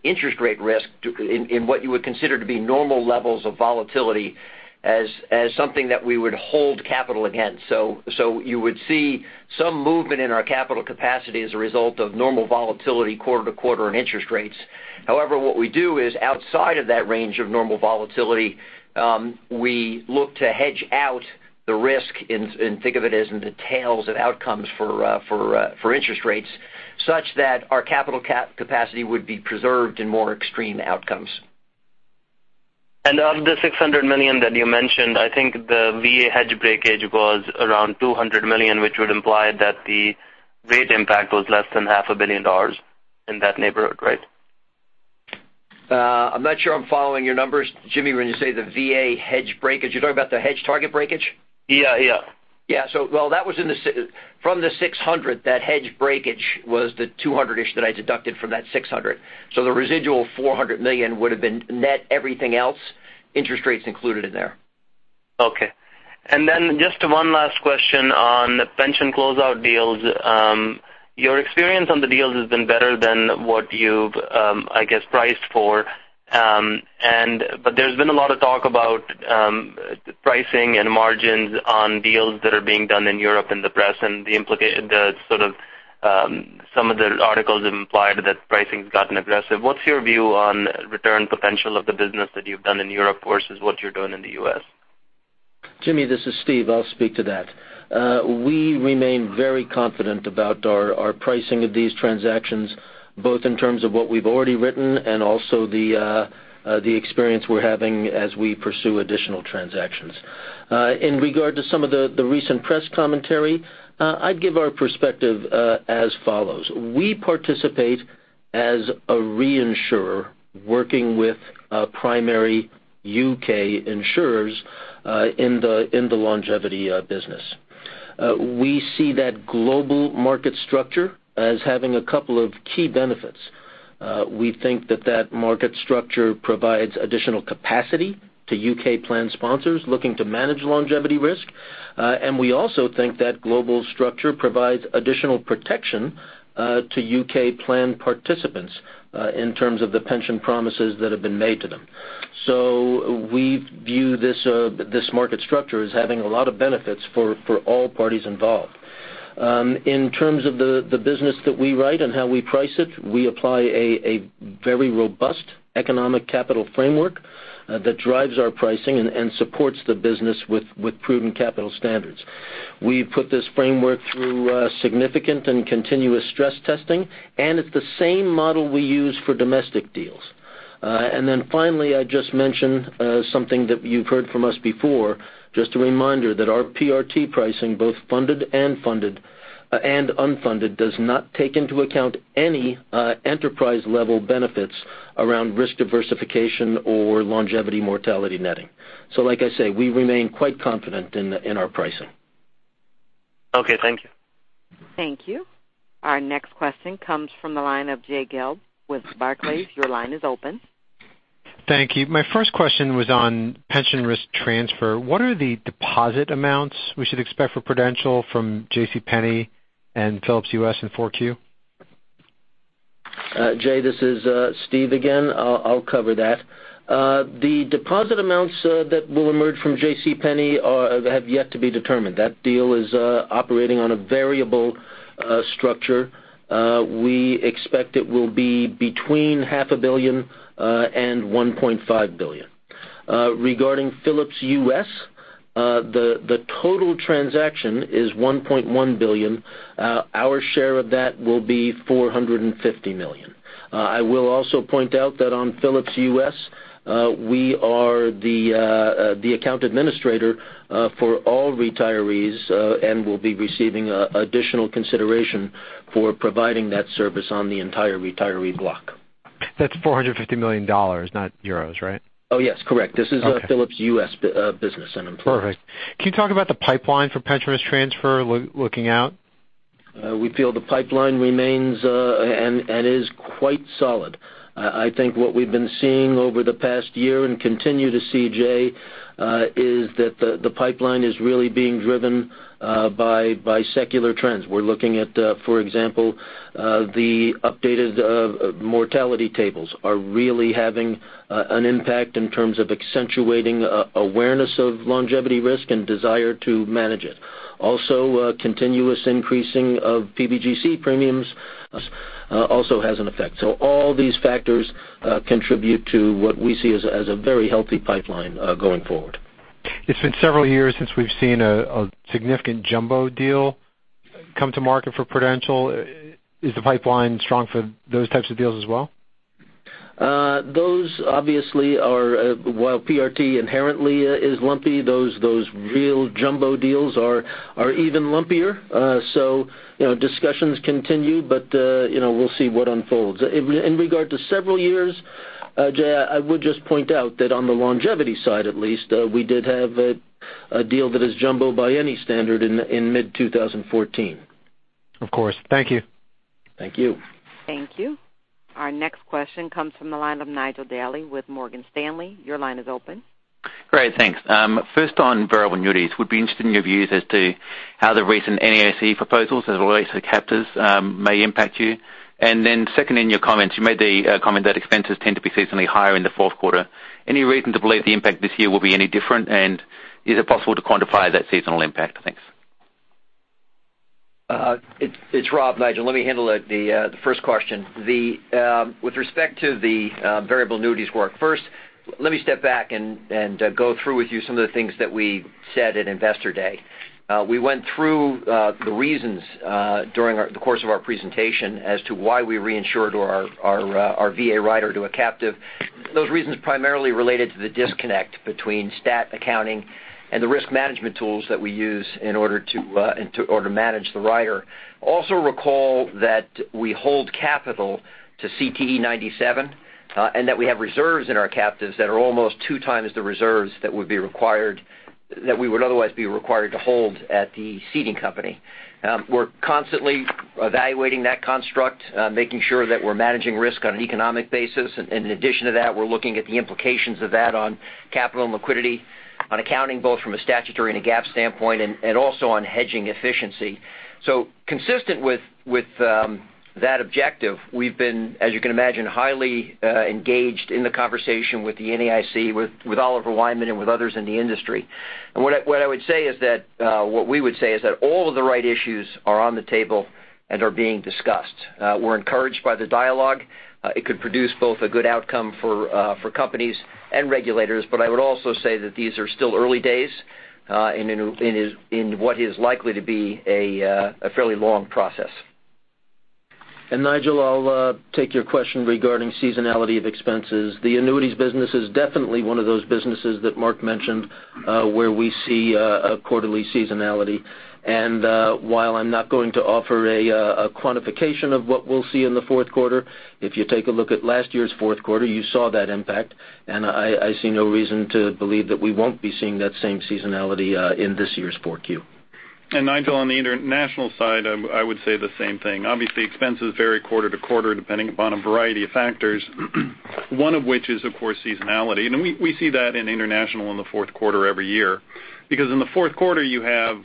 interest rate risk in what you would consider to be normal levels of volatility as something that we would hold capital against. You would see some movement in our capital capacity as a result of normal volatility quarter to quarter on interest rates. However, what we do is outside of that range of normal volatility, we look to hedge out the risk and think of it as in the tails of outcomes for interest rates, such that our capital capacity would be preserved in more extreme outcomes. Of the $600 million that you mentioned, I think the VA hedge breakage was around $200 million, which would imply that the rate impact was less than half a billion dollars in that neighborhood, right? I'm not sure I'm following your numbers, Jimmy, when you say the VA hedge breakage. You're talking about the hedge target breakage? Yeah. Yeah. Well, from the $600, that hedge breakage was the $200-ish that I deducted from that $600. The residual $400 million would've been net everything else, interest rates included in there. Okay. Just one last question on the pension closeout deals. Your experience on the deals has been better than what you've, I guess, priced for. There's been a lot of talk about pricing and margins on deals that are being done in Europe in the press and some of the articles have implied that pricing's gotten aggressive. What's your view on return potential of the business that you've done in Europe versus what you're doing in the U.S.? Jimmy, this is Steve. I'll speak to that. We remain very confident about our pricing of these transactions, both in terms of what we've already written and also the experience we're having as we pursue additional transactions. In regard to some of the recent press commentary, I'd give our perspective as follows. We participate as a reinsurer working with primary U.K. insurers in the longevity business. We see that global market structure as having a couple of key benefits. We think that that market structure provides additional capacity to U.K. plan sponsors looking to manage longevity risk. We also think that global structure provides additional protection to U.K. plan participants in terms of the pension promises that have been made to them. We view this market structure as having a lot of benefits for all parties involved. In terms of the business that we write and how we price it, we apply a very robust economic capital framework that drives our pricing and supports the business with prudent capital standards. We put this framework through significant and continuous stress testing, it's the same model we use for domestic deals. Finally, I just mentioned something that you've heard from us before, just a reminder that our PRT pricing, both funded and unfunded, does not take into account any enterprise level benefits around risk diversification or longevity mortality netting. Like I say, we remain quite confident in our pricing. Okay. Thank you. Thank you. Our next question comes from the line of Jay Gelb with Barclays. Your line is open. Thank you. My first question was on pension risk transfer. What are the deposit amounts we should expect for Prudential from J. C. Penney and Philips US in 4Q? Jay, this is Steve again. I will cover that. The deposit amounts that will emerge from JCPenney have yet to be determined. That deal is operating on a variable structure. We expect it will be between half a billion and $1.5 billion. Regarding Philips U.S., the total transaction is $1.1 billion. Our share of that will be $450 million. I will also point out that on Philips U.S., we are the account administrator for all retirees and will be receiving additional consideration for providing that service on the entire retiree block. That is $450 million, not EUR, right? Oh, yes. Correct. Okay. This is a Philips U.S. business and employer. Perfect. Can you talk about the pipeline for pension risk transfer looking out? We feel the pipeline remains and is quite solid. I think what we've been seeing over the past year and continue to see, Jay, is that the pipeline is really being driven by secular trends. We're looking at, for example, the updated mortality tables are really having an impact in terms of accentuating awareness of longevity risk and desire to manage it. Also, continuous increasing of PBGC premiums also has an effect. All these factors contribute to what we see as a very healthy pipeline going forward. It's been several years since we've seen a significant jumbo deal come to market for Prudential. Is the pipeline strong for those types of deals as well? Those obviously are, while PRT inherently is lumpy, those real jumbo deals are even lumpier. Discussions continue, but we'll see what unfolds. In regard to several years, Jay, I would just point out that on the longevity side at least, we did have a deal that is jumbo by any standard in mid 2014. Of course. Thank you. Thank you. Thank you. Our next question comes from the line of Nigel Dally with Morgan Stanley. Your line is open. Great, thanks. First on variable annuities, would be interested in your views as to how the recent NAIC proposals as it relates to captives may impact you. Second, in your comments, you made the comment that expenses tend to be seasonally higher in the fourth quarter. Any reason to believe the impact this year will be any different? Is it possible to quantify that seasonal impact? Thanks. It's Rob, Nigel. Let me handle the first question. With respect to the variable annuities work, first, let me step back and go through with you some of the things that we said at Investor Day. We went through the reasons, during the course of our presentation, as to why we reinsured our VA rider to a captive. Those reasons primarily related to the disconnect between stat accounting and the risk management tools that we use in order to manage the rider. Also recall that we hold capital to CTE97, and that we have reserves in our captives that are almost two times the reserves that we would otherwise be required to hold at the seeding company. We're constantly evaluating that construct, making sure that we're managing risk on an economic basis. In addition to that, we're looking at the implications of that on capital and liquidity, on accounting both from a statutory and a GAAP standpoint, and also on hedging efficiency. Consistent with that objective, we've been, as you can imagine, highly engaged in the conversation with the NAIC, with Oliver Wyman, and with others in the industry. What we would say is that all of the right issues are on the table and are being discussed. We're encouraged by the dialogue. It could produce both a good outcome for companies and regulators, I would also say that these are still early days, in what is likely to be a fairly long process. Nigel, I'll take your question regarding seasonality of expenses. The annuities business is definitely one of those businesses that Mark mentioned, where we see a quarterly seasonality. While I'm not going to offer a quantification of what we'll see in the fourth quarter, if you take a look at last year's fourth quarter, you saw that impact, I see no reason to believe that we won't be seeing that same seasonality in this year's 4Q. Nigel, on the international side, I would say the same thing. Obviously, expenses vary quarter to quarter, depending upon a variety of factors, one of which is, of course, seasonality. We see that in international in the fourth quarter every year. Because in the fourth quarter, you have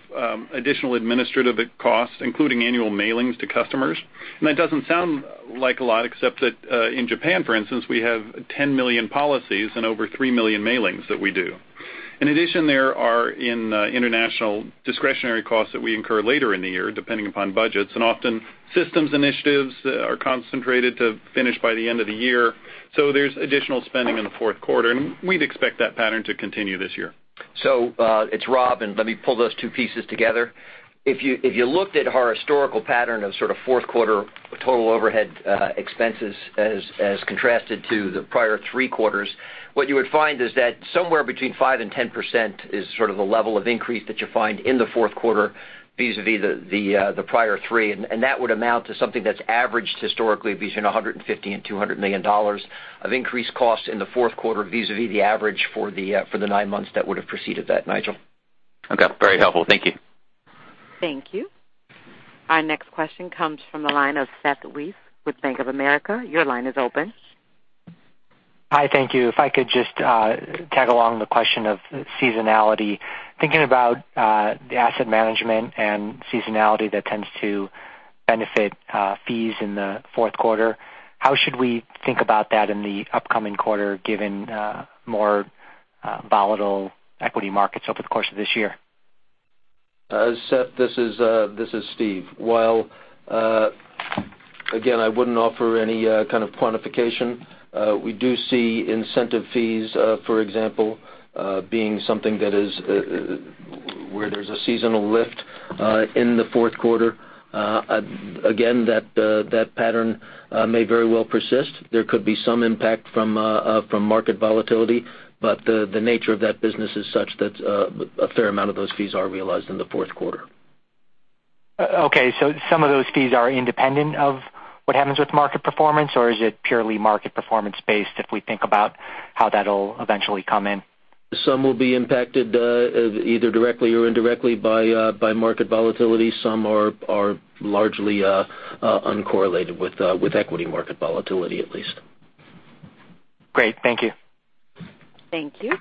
additional administrative costs, including annual mailings to customers. That doesn't sound like a lot, except that in Japan, for instance, we have 10 million policies and over three million mailings that we do. In addition, there are international discretionary costs that we incur later in the year, depending upon budgets. Often systems initiatives are concentrated to finish by the end of the year. There's additional spending in the fourth quarter, and we'd expect that pattern to continue this year. It's Rob, and let me pull those two pieces together. If you looked at our historical pattern of sort of fourth quarter total overhead expenses as contrasted to the prior three quarters, what you would find is that somewhere between 5% and 10% is sort of the level of increase that you find in the fourth quarter vis-à-vis the prior three. That would amount to something that's averaged historically between $150 million and $200 million of increased costs in the fourth quarter vis-à-vis the average for the nine months that would have preceded that, Nigel. Very helpful. Thank you. Thank you. Our next question comes from the line of Seth Weitz with Bank of America. Your line is open. Hi, thank you. I could just tag along the question of seasonality, thinking about the asset management and seasonality that tends to benefit fees in the fourth quarter, how should we think about that in the upcoming quarter, given more volatile equity markets over the course of this year? Seth, this is Steve. While, again, I wouldn't offer any kind of quantification, we do see incentive fees, for example, being something where there's a seasonal lift in the fourth quarter. Again, that pattern may very well persist. There could be some impact from market volatility, but the nature of that business is such that a fair amount of those fees are realized in the fourth quarter. Some of those fees are independent of what happens with market performance, or is it purely market performance based if we think about how that'll eventually come in? Some will be impacted either directly or indirectly by market volatility. Some are largely uncorrelated with equity market volatility, at least. Great. Thank you. Thank you.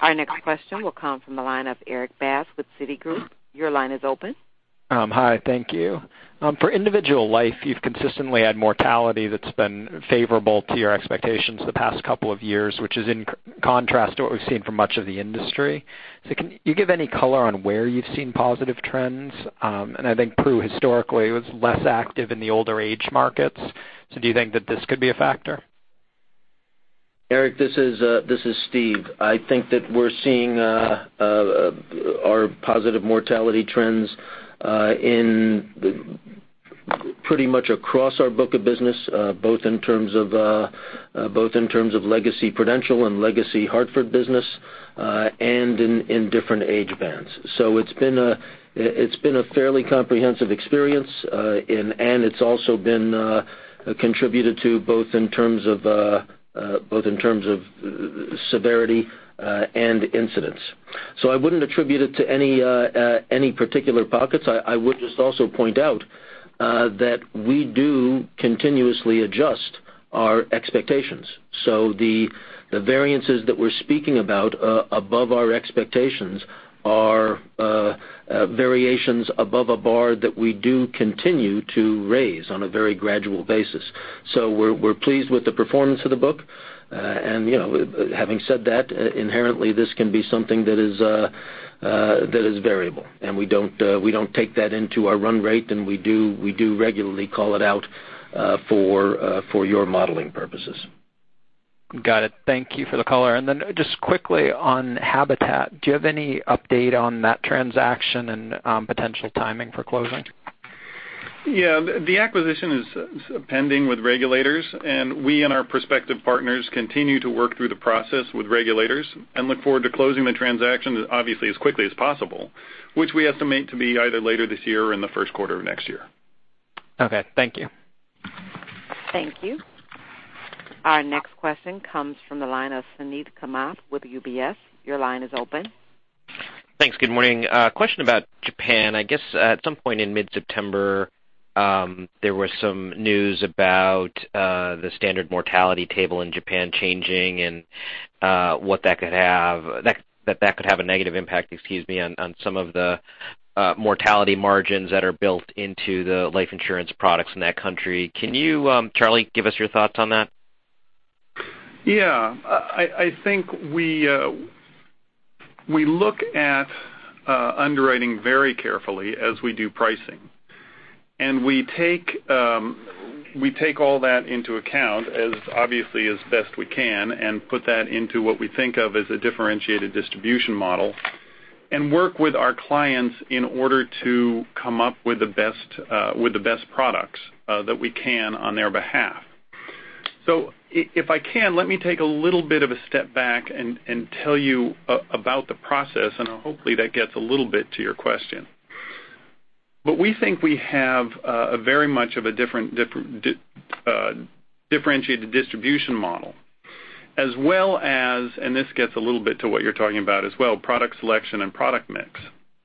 Our next question will come from the line of Erik Bass with Citigroup. Your line is open. Hi, thank you. For individual Life, you've consistently had mortality that's been favorable to your expectations the past couple of years, which is in contrast to what we've seen for much of the industry. Can you give any color on where you've seen positive trends? I think Pru, historically, was less active in the older age markets. Do you think that this could be a factor? Erik, this is Steve. I think that we're seeing our positive mortality trends in pretty much across our book of business, both in terms of legacy Prudential and legacy Hartford business, and in different age bands. It's been a fairly comprehensive experience, and it's also been contributed to both in terms of severity and incidence. I wouldn't attribute it to any particular pockets. I would just also point out that we do continuously adjust our expectations. The variances that we're speaking about above our expectations are variations above a bar that we do continue to raise on a very gradual basis. We're pleased with the performance of the book. Having said that, inherently, this can be something that is variable, and we don't take that into our run rate, and we do regularly call it out for your modeling purposes. Got it. Thank you for the color. Then just quickly on Habita, do you have any update on that transaction and potential timing for closing? Yeah. The acquisition is pending with regulators, and we and our prospective partners continue to work through the process with regulators and look forward to closing the transaction, obviously, as quickly as possible, which we estimate to be either later this year or in the first quarter of next year. Okay. Thank you. Thank you. Our next question comes from the line of Suneet Kamath with UBS. Your line is open. Thanks. Good morning. A question about Japan. I guess at some point in mid-September, there was some news about the standard mortality table in Japan changing and that could have a negative impact on some of the mortality margins that are built into the life insurance products in that country. Can you, Charlie, give us your thoughts on that? Yeah. I think we look at underwriting very carefully as we do pricing. We take all that into account as obviously as best we can and put that into what we think of as a differentiated distribution model and work with our clients in order to come up with the best products that we can on their behalf. If I can, let me take a little bit of a step back and tell you about the process, and hopefully, that gets a little bit to your question. We think we have a very much of a differentiated distribution model, as well as, and this gets a little bit to what you are talking about as well, product selection and product mix.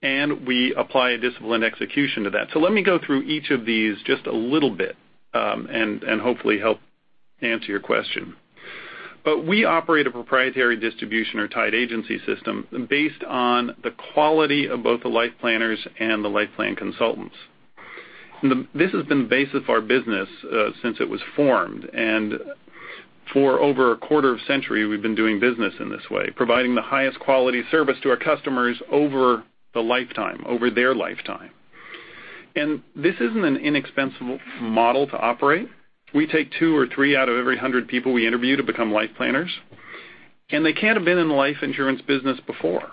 We apply a disciplined execution to that. Let me go through each of these just a little bit and hopefully help answer your question. We operate a proprietary distribution or tied agency system based on the quality of both the life planners and the life plan consultants. This has been the basis of our business since it was formed. For over a quarter of a century, we have been doing business in this way, providing the highest quality service to our customers over their lifetime. This is not an inexpensive model to operate. We take two or three out of every 100 people we interview to become life planners, and they cannot have been in the life insurance business before.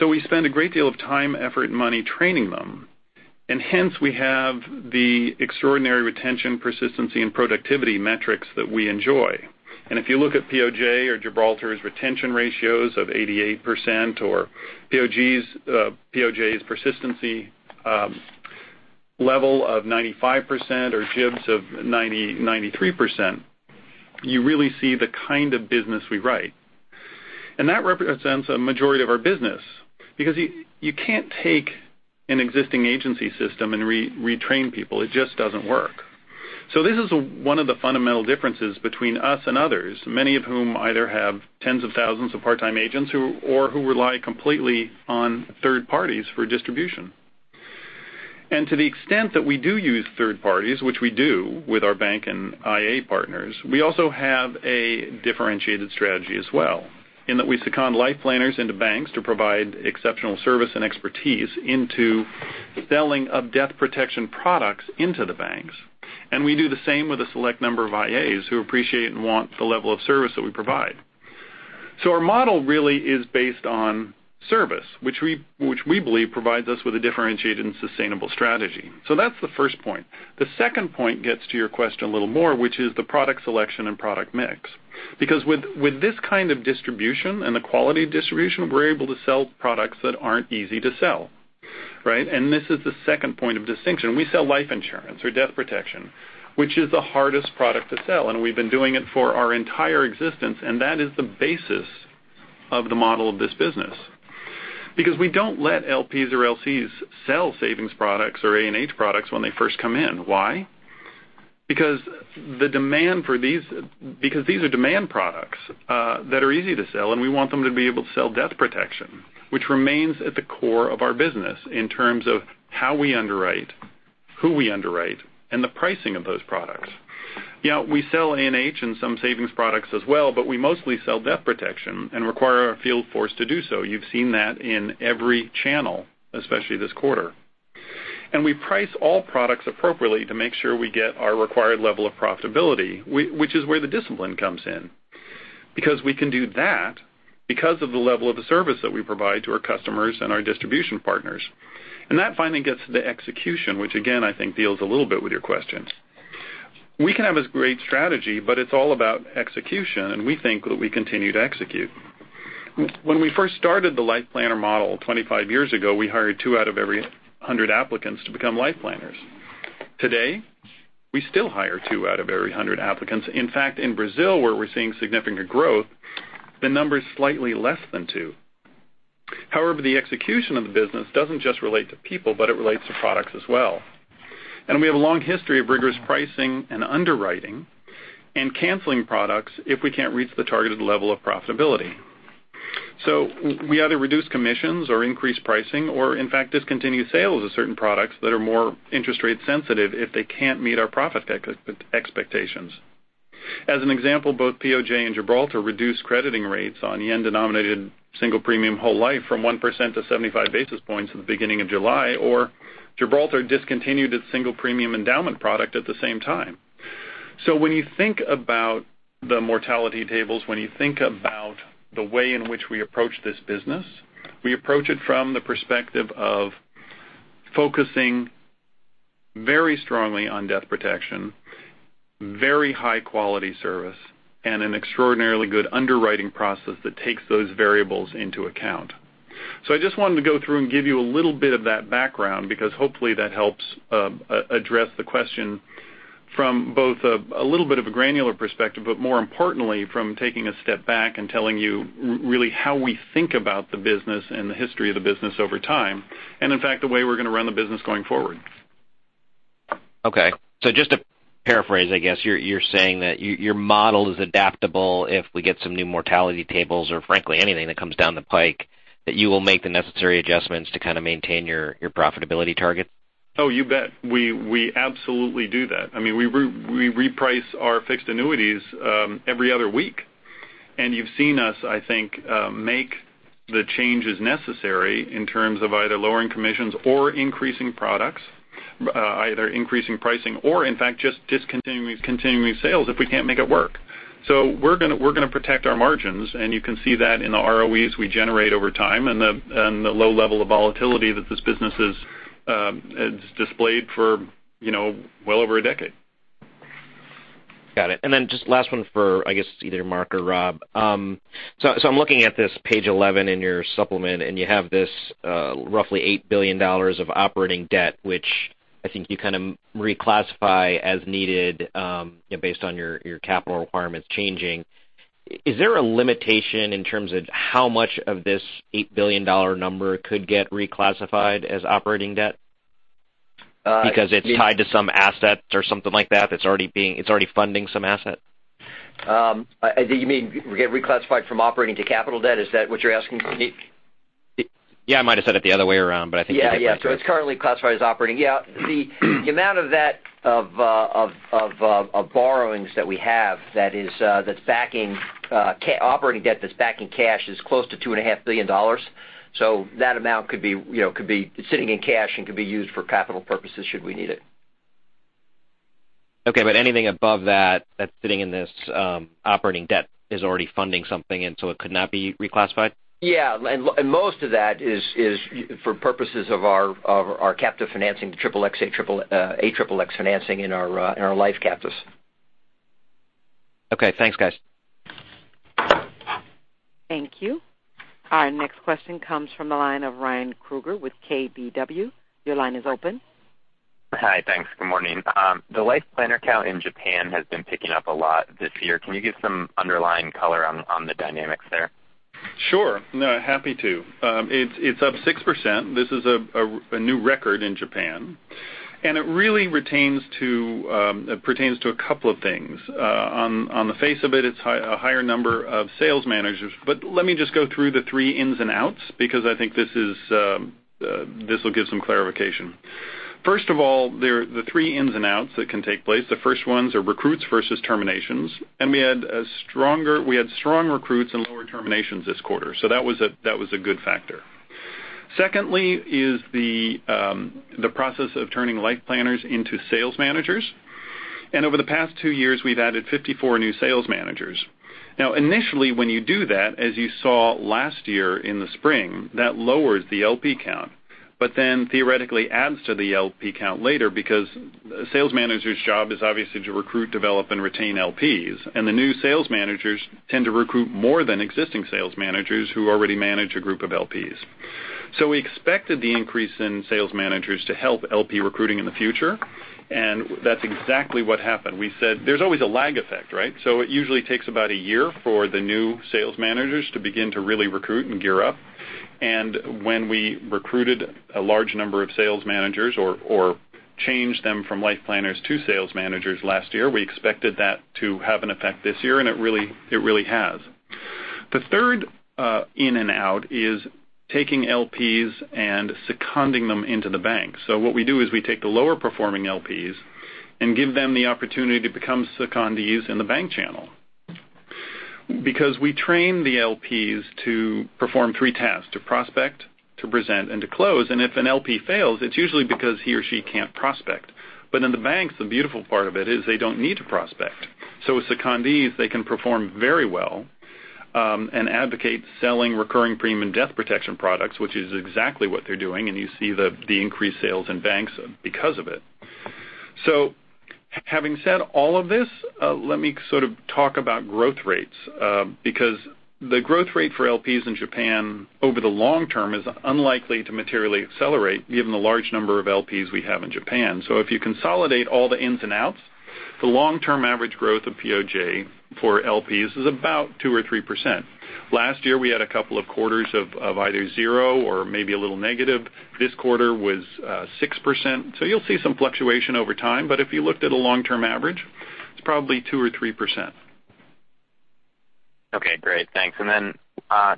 We spend a great deal of time, effort, and money training them, and hence, we have the extraordinary retention, persistency, and productivity metrics that we enjoy. If you look at POJ or Gibraltar's retention ratios of 88% or POJ's persistency level of 95% or Gibbs of 93%, you really see the kind of business we write. That represents a majority of our business because you cannot take an existing agency system and retrain people. It just does not work. This is one of the fundamental differences between us and others, many of whom either have tens of thousands of part-time agents or who rely completely on third parties for distribution. To the extent that we do use third parties, which we do with our bank and IA partners, we also have a differentiated strategy as well, in that we second life planners into banks to provide exceptional service and expertise into the selling of death protection products into the banks. We do the same with a select number of IAs who appreciate and want the level of service that we provide. Our model really is based on service, which we believe provides us with a differentiated and sustainable strategy. That is the first point. The second point gets to your question a little more, which is the product selection and product mix. With this kind of distribution and the quality of distribution, we are able to sell products that are not easy to sell. Right? This is the second point of distinction. We sell life insurance or death protection, which is the hardest product to sell, and we have been doing it for our entire existence, and that is the basis of the model of this business. We do not let LPs or LCs sell savings products or A&H products when they first come in. Why? These are demand products that are easy to sell, we want them to be able to sell death protection, which remains at the core of our business in terms of how we underwrite, who we underwrite, and the pricing of those products. We sell A&H and some savings products as well, but we mostly sell death protection and require our field force to do so. You've seen that in every channel, especially this quarter. We price all products appropriately to make sure we get our required level of profitability, which is where the discipline comes in. We can do that because of the level of the service that we provide to our customers and our distribution partners. That finally gets to the execution, which again, I think deals a little bit with your question. We can have a great strategy, it's all about execution, we think that we continue to execute. When we first started the LifePlanner model 25 years ago, we hired two out of every 100 applicants to become LifePlanners. Today, we still hire two out of every 100 applicants. In fact, in Brazil where we're seeing significant growth, the number is slightly less than two. However, the execution of the business doesn't just relate to people, but it relates to products as well. We have a long history of rigorous pricing and underwriting and canceling products if we can't reach the targeted level of profitability. We either reduce commissions or increase pricing or, in fact, discontinue sales of certain products that are more interest rate sensitive if they can't meet our profit expectations. As an example, both POJ and Gibraltar reduced crediting rates on JPY-denominated single premium whole life from 1% to 75 basis points at the beginning of July, Gibraltar discontinued its single premium endowment product at the same time. When you think about the mortality tables, when you think about the way in which we approach this business, we approach it from the perspective of focusing very strongly on death protection, very high-quality service, and an extraordinarily good underwriting process that takes those variables into account. I just wanted to go through and give you a little bit of that background because hopefully that helps address the question from both a little bit of a granular perspective, but more importantly from taking a step back and telling you really how we think about the business and the history of the business over time. In fact, the way we're going to run the business going forward. Okay. Just to paraphrase, I guess you're saying that your model is adaptable if we get some new mortality tables or frankly, anything that comes down the pike, that you will make the necessary adjustments to kind of maintain your profitability target? Oh, you bet. We absolutely do that. We reprice our fixed annuities every other week. You've seen us, I think, make the changes necessary in terms of either lowering commissions or increasing products, either increasing pricing or in fact, just discontinuing these continuing sales if we can't make it work. We're going to protect our margins, and you can see that in the ROEs we generate over time and the low level of volatility that this business has displayed for well over a decade. Got it. Just last one for, I guess it's either Mark or Rob. I'm looking at this page 11 in your supplement, and you have this roughly $8 billion of operating debt, which I think you kind of reclassify as needed based on your capital requirements changing. Is there a limitation in terms of how much of this $8 billion number could get reclassified as operating debt because it's tied to some assets or something like that that's already funding some asset? Do you mean get reclassified from operating to capital debt? Is that what you're asking? Yeah, I might have said it the other way around, but I think you get my point. Yeah. It's currently classified as operating. The amount of that, of borrowings that we have that's backing operating debt, that's backing cash, is close to $2.5 billion. That amount could be sitting in cash and could be used for capital purposes should we need it. Okay. Anything above that that's sitting in this operating debt is already funding something and so it could not be reclassified? Yeah. Most of that is for purposes of our captive financing, the XXX/AXXX, Triple X financing in our life captives. Okay. Thanks, guys. Thank you. Our next question comes from the line of Ryan Krueger with KBW. Your line is open. Hi. Thanks. Good morning. The LifePlanner count in Japan has been picking up a lot this year. Can you give some underlying color on the dynamics there? Sure. No, happy to. It's up 6%. This is a new record in Japan, and it really pertains to a couple of things. On the face of it's a higher number of sales managers. Let me just go through the three ins and outs because I think this will give some clarification. First of all, the three ins and outs that can take place, the first ones are recruits versus terminations. We had strong recruits and lower terminations this quarter. That was a good factor. Secondly is the process of turning LifePlanners into sales managers. Over the past 2 years, we've added 54 new sales managers. Now, initially when you do that, as you saw last year in the spring, that lowers the LP count. Theoretically adds to the LP count later because a sales manager's job is obviously to recruit, develop, and retain LPs. The new sales managers tend to recruit more than existing sales managers who already manage a group of LPs. We expected the increase in sales managers to help LP recruiting in the future, and that's exactly what happened. We said there's always a lag effect, right? It usually takes about a year for the new sales managers to begin to really recruit and gear up. When we recruited a large number of sales managers or changed them from LifePlanners to sales managers last year, we expected that to have an effect this year, and it really has. The third in and out is taking LPs and seconding them into the bank. What we do is we take the lower performing LPs and give them the opportunity to become secondees in the bank channel. We train the LPs to perform three tasks, to prospect, to present, and to close. If an LP fails, it's usually because he or she can't prospect. In the banks, the beautiful part of it is they don't need to prospect. As secondees, they can perform very well and advocate selling recurring premium and death protection products, which is exactly what they're doing, and you see the increased sales in banks because of it. Having said all of this, let me sort of talk about growth rates because the growth rate for LPs in Japan over the long term is unlikely to materially accelerate given the large number of LPs we have in Japan. If you consolidate all the ins and outs, the long-term average growth of POJ for LPs is about 2% or 3%. Last year, we had a couple of quarters of either 0 or maybe a little negative. This quarter was 6%. You'll see some fluctuation over time, but if you looked at a long-term average, it's probably 2% or 3%. Okay, great. Thanks.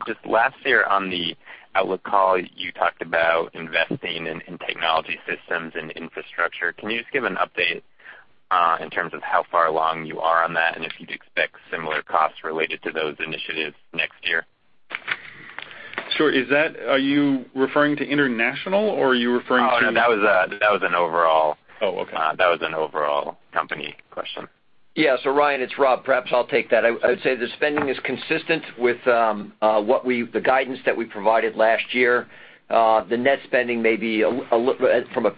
Just last year on the outlook call, you talked about investing in technology systems and infrastructure. Can you just give an update in terms of how far along you are on that, and if you'd expect similar costs related to those initiatives next year? Sure. Are you referring to international or are you referring to- Oh, no, that was an overall. Oh, okay. That was an overall company question. Ryan, it's Rob. Perhaps I'll take that. I would say the spending is consistent with the guidance that we provided last year. The net spending may be purely from a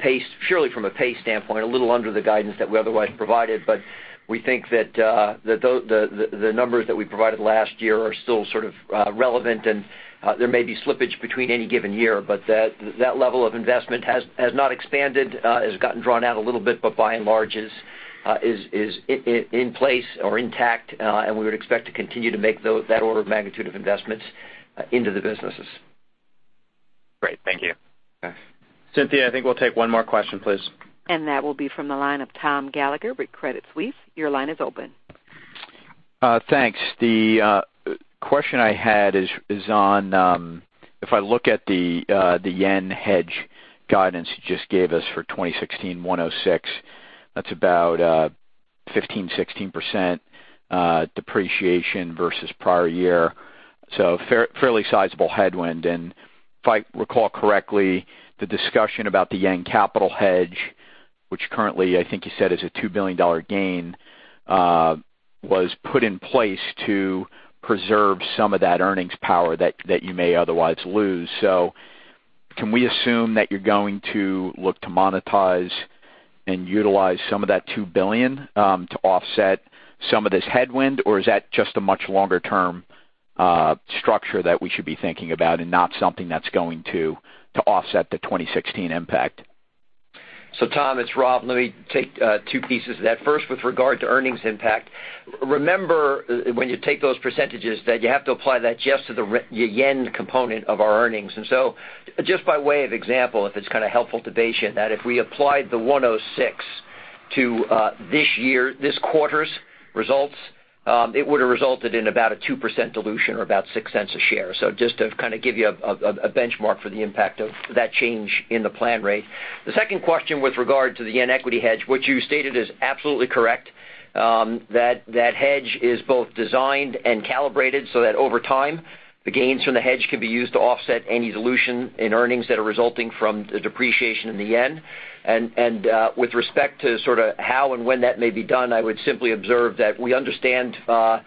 pace standpoint, a little under the guidance that we otherwise provided, but we think that the numbers that we provided last year are still sort of relevant, and there may be slippage between any given year, but that level of investment has not expanded, has gotten drawn out a little bit, but by and large is in place or intact. We would expect to continue to make that order of magnitude of investments into the businesses. Great. Thank you. Thanks. Cynthia, I think we'll take one more question, please. That will be from the line of Tom Gallagher with Credit Suisse. Your line is open. Thanks. The question I had is on if I look at the yen hedge guidance you just gave us for 2016, 106, that's about 15%-16% depreciation versus prior year. Fairly sizable headwind. If I recall correctly, the discussion about the yen capital hedge, which currently I think you said is a $2 billion gain, was put in place to preserve some of that earnings power that you may otherwise lose. Can we assume that you're going to look to monetize and utilize some of that $2 billion to offset some of this headwind, or is that just a much longer-term structure that we should be thinking about and not something that's going to offset the 2016 impact? Tom, it's Rob. Let me take two pieces of that. First, with regard to earnings impact, remember when you take those percentages that you have to apply that just to the yen component of our earnings. Just by way of example, if it's kind of helpful to base it that if we applied the 106 to this quarter's results, it would have resulted in about a 2% dilution or about $0.06 a share. Just to kind of give you a benchmark for the impact of that change in the plan rate. The second question with regard to the yen equity hedge, what you stated is absolutely correct. That hedge is both designed and calibrated so that over time, the gains from the hedge can be used to offset any dilution in earnings that are resulting from the depreciation in the yen. With respect to sort of how and when that may be done, I would simply observe that we understand the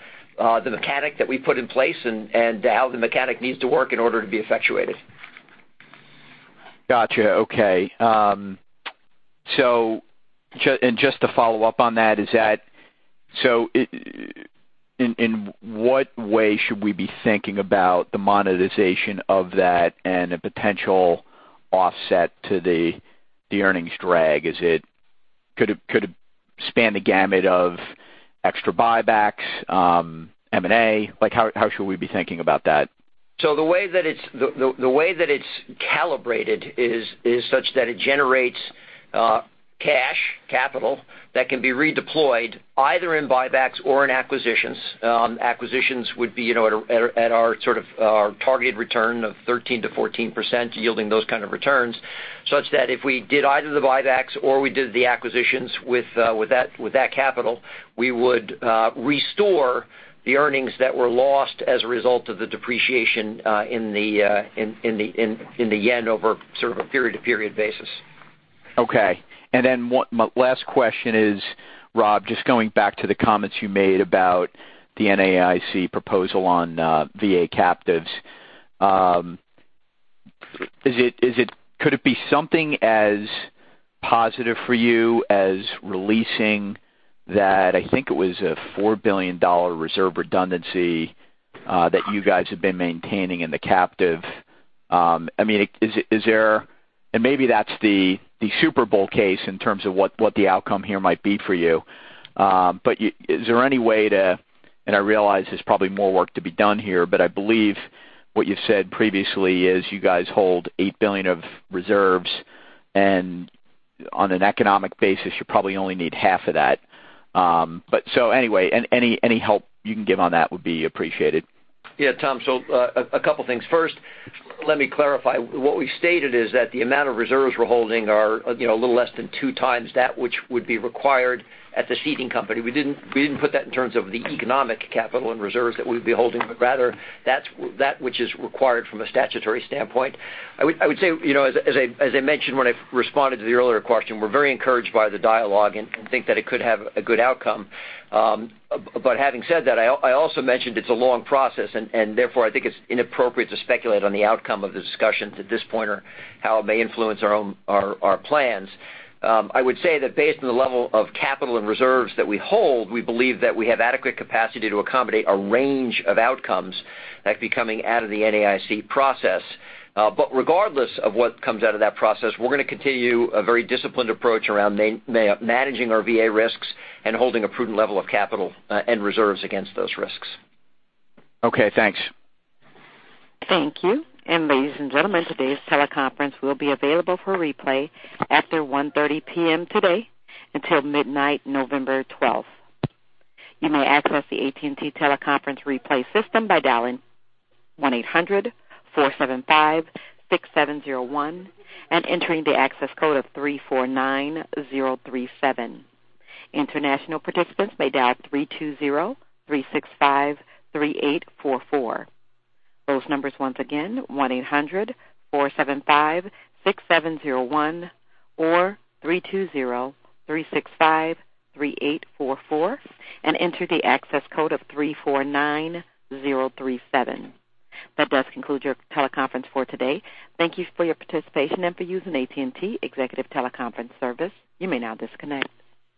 mechanic that we put in place and how the mechanic needs to work in order to be effectuated. Got you. Okay. Just to follow up on that, in what way should we be thinking about the monetization of that and a potential offset to the earnings drag? Could it span the gamut of extra buybacks, M&A? How should we be thinking about that? The way that it's calibrated is such that it generates cash capital that can be redeployed either in buybacks or in acquisitions. Acquisitions would be at our sort of our targeted return of 13%-14%, yielding those kind of returns, such that if we did either the buybacks or we did the acquisitions with that capital, we would restore the earnings that were lost as a result of the depreciation in the yen over sort of a period-to-period basis. Okay. One last question is, Rob, just going back to the comments you made about the NAIC proposal on VA captives. Could it be something as positive for you as releasing that, I think it was a $4 billion reserve redundancy that you guys have been maintaining in the captive. Maybe that's the Super Bowl case in terms of what the outcome here might be for you. Is there any way to, and I realize there's probably more work to be done here, but I believe what you said previously is you guys hold $8 billion of reserves, and on an economic basis, you probably only need half of that. Anyway, any help you can give on that would be appreciated. Yeah, Tom. A couple things. First, let me clarify. What we stated is that the amount of reserves we're holding are a little less than two times that which would be required at the ceding company. We didn't put that in terms of the economic capital and reserves that we'd be holding, but rather that which is required from a statutory standpoint. I would say, as I mentioned when I responded to the earlier question, we're very encouraged by the dialogue and think that it could have a good outcome. Having said that, I also mentioned it's a long process, and therefore I think it's inappropriate to speculate on the outcome of the discussions at this point or how it may influence our plans. I would say that based on the level of capital and reserves that we hold, we believe that we have adequate capacity to accommodate a range of outcomes that could be coming out of the NAIC process. Regardless of what comes out of that process, we're going to continue a very disciplined approach around managing our VA risks and holding a prudent level of capital and reserves against those risks. Okay, thanks. Thank you. Ladies and gentlemen, today's teleconference will be available for replay after 1:30 P.M. today until midnight November 12th. You may access the AT&T Teleconference replay system by dialing 1-800-475-6701 and entering the access code of 349037. International participants may dial 320-365-3844. Those numbers once again, 1-800-475-6701 or 320-365-3844, and enter the access code of 349037. That does conclude your teleconference for today. Thank you for your participation and for using AT&T Executive Teleconference Service. You may now disconnect.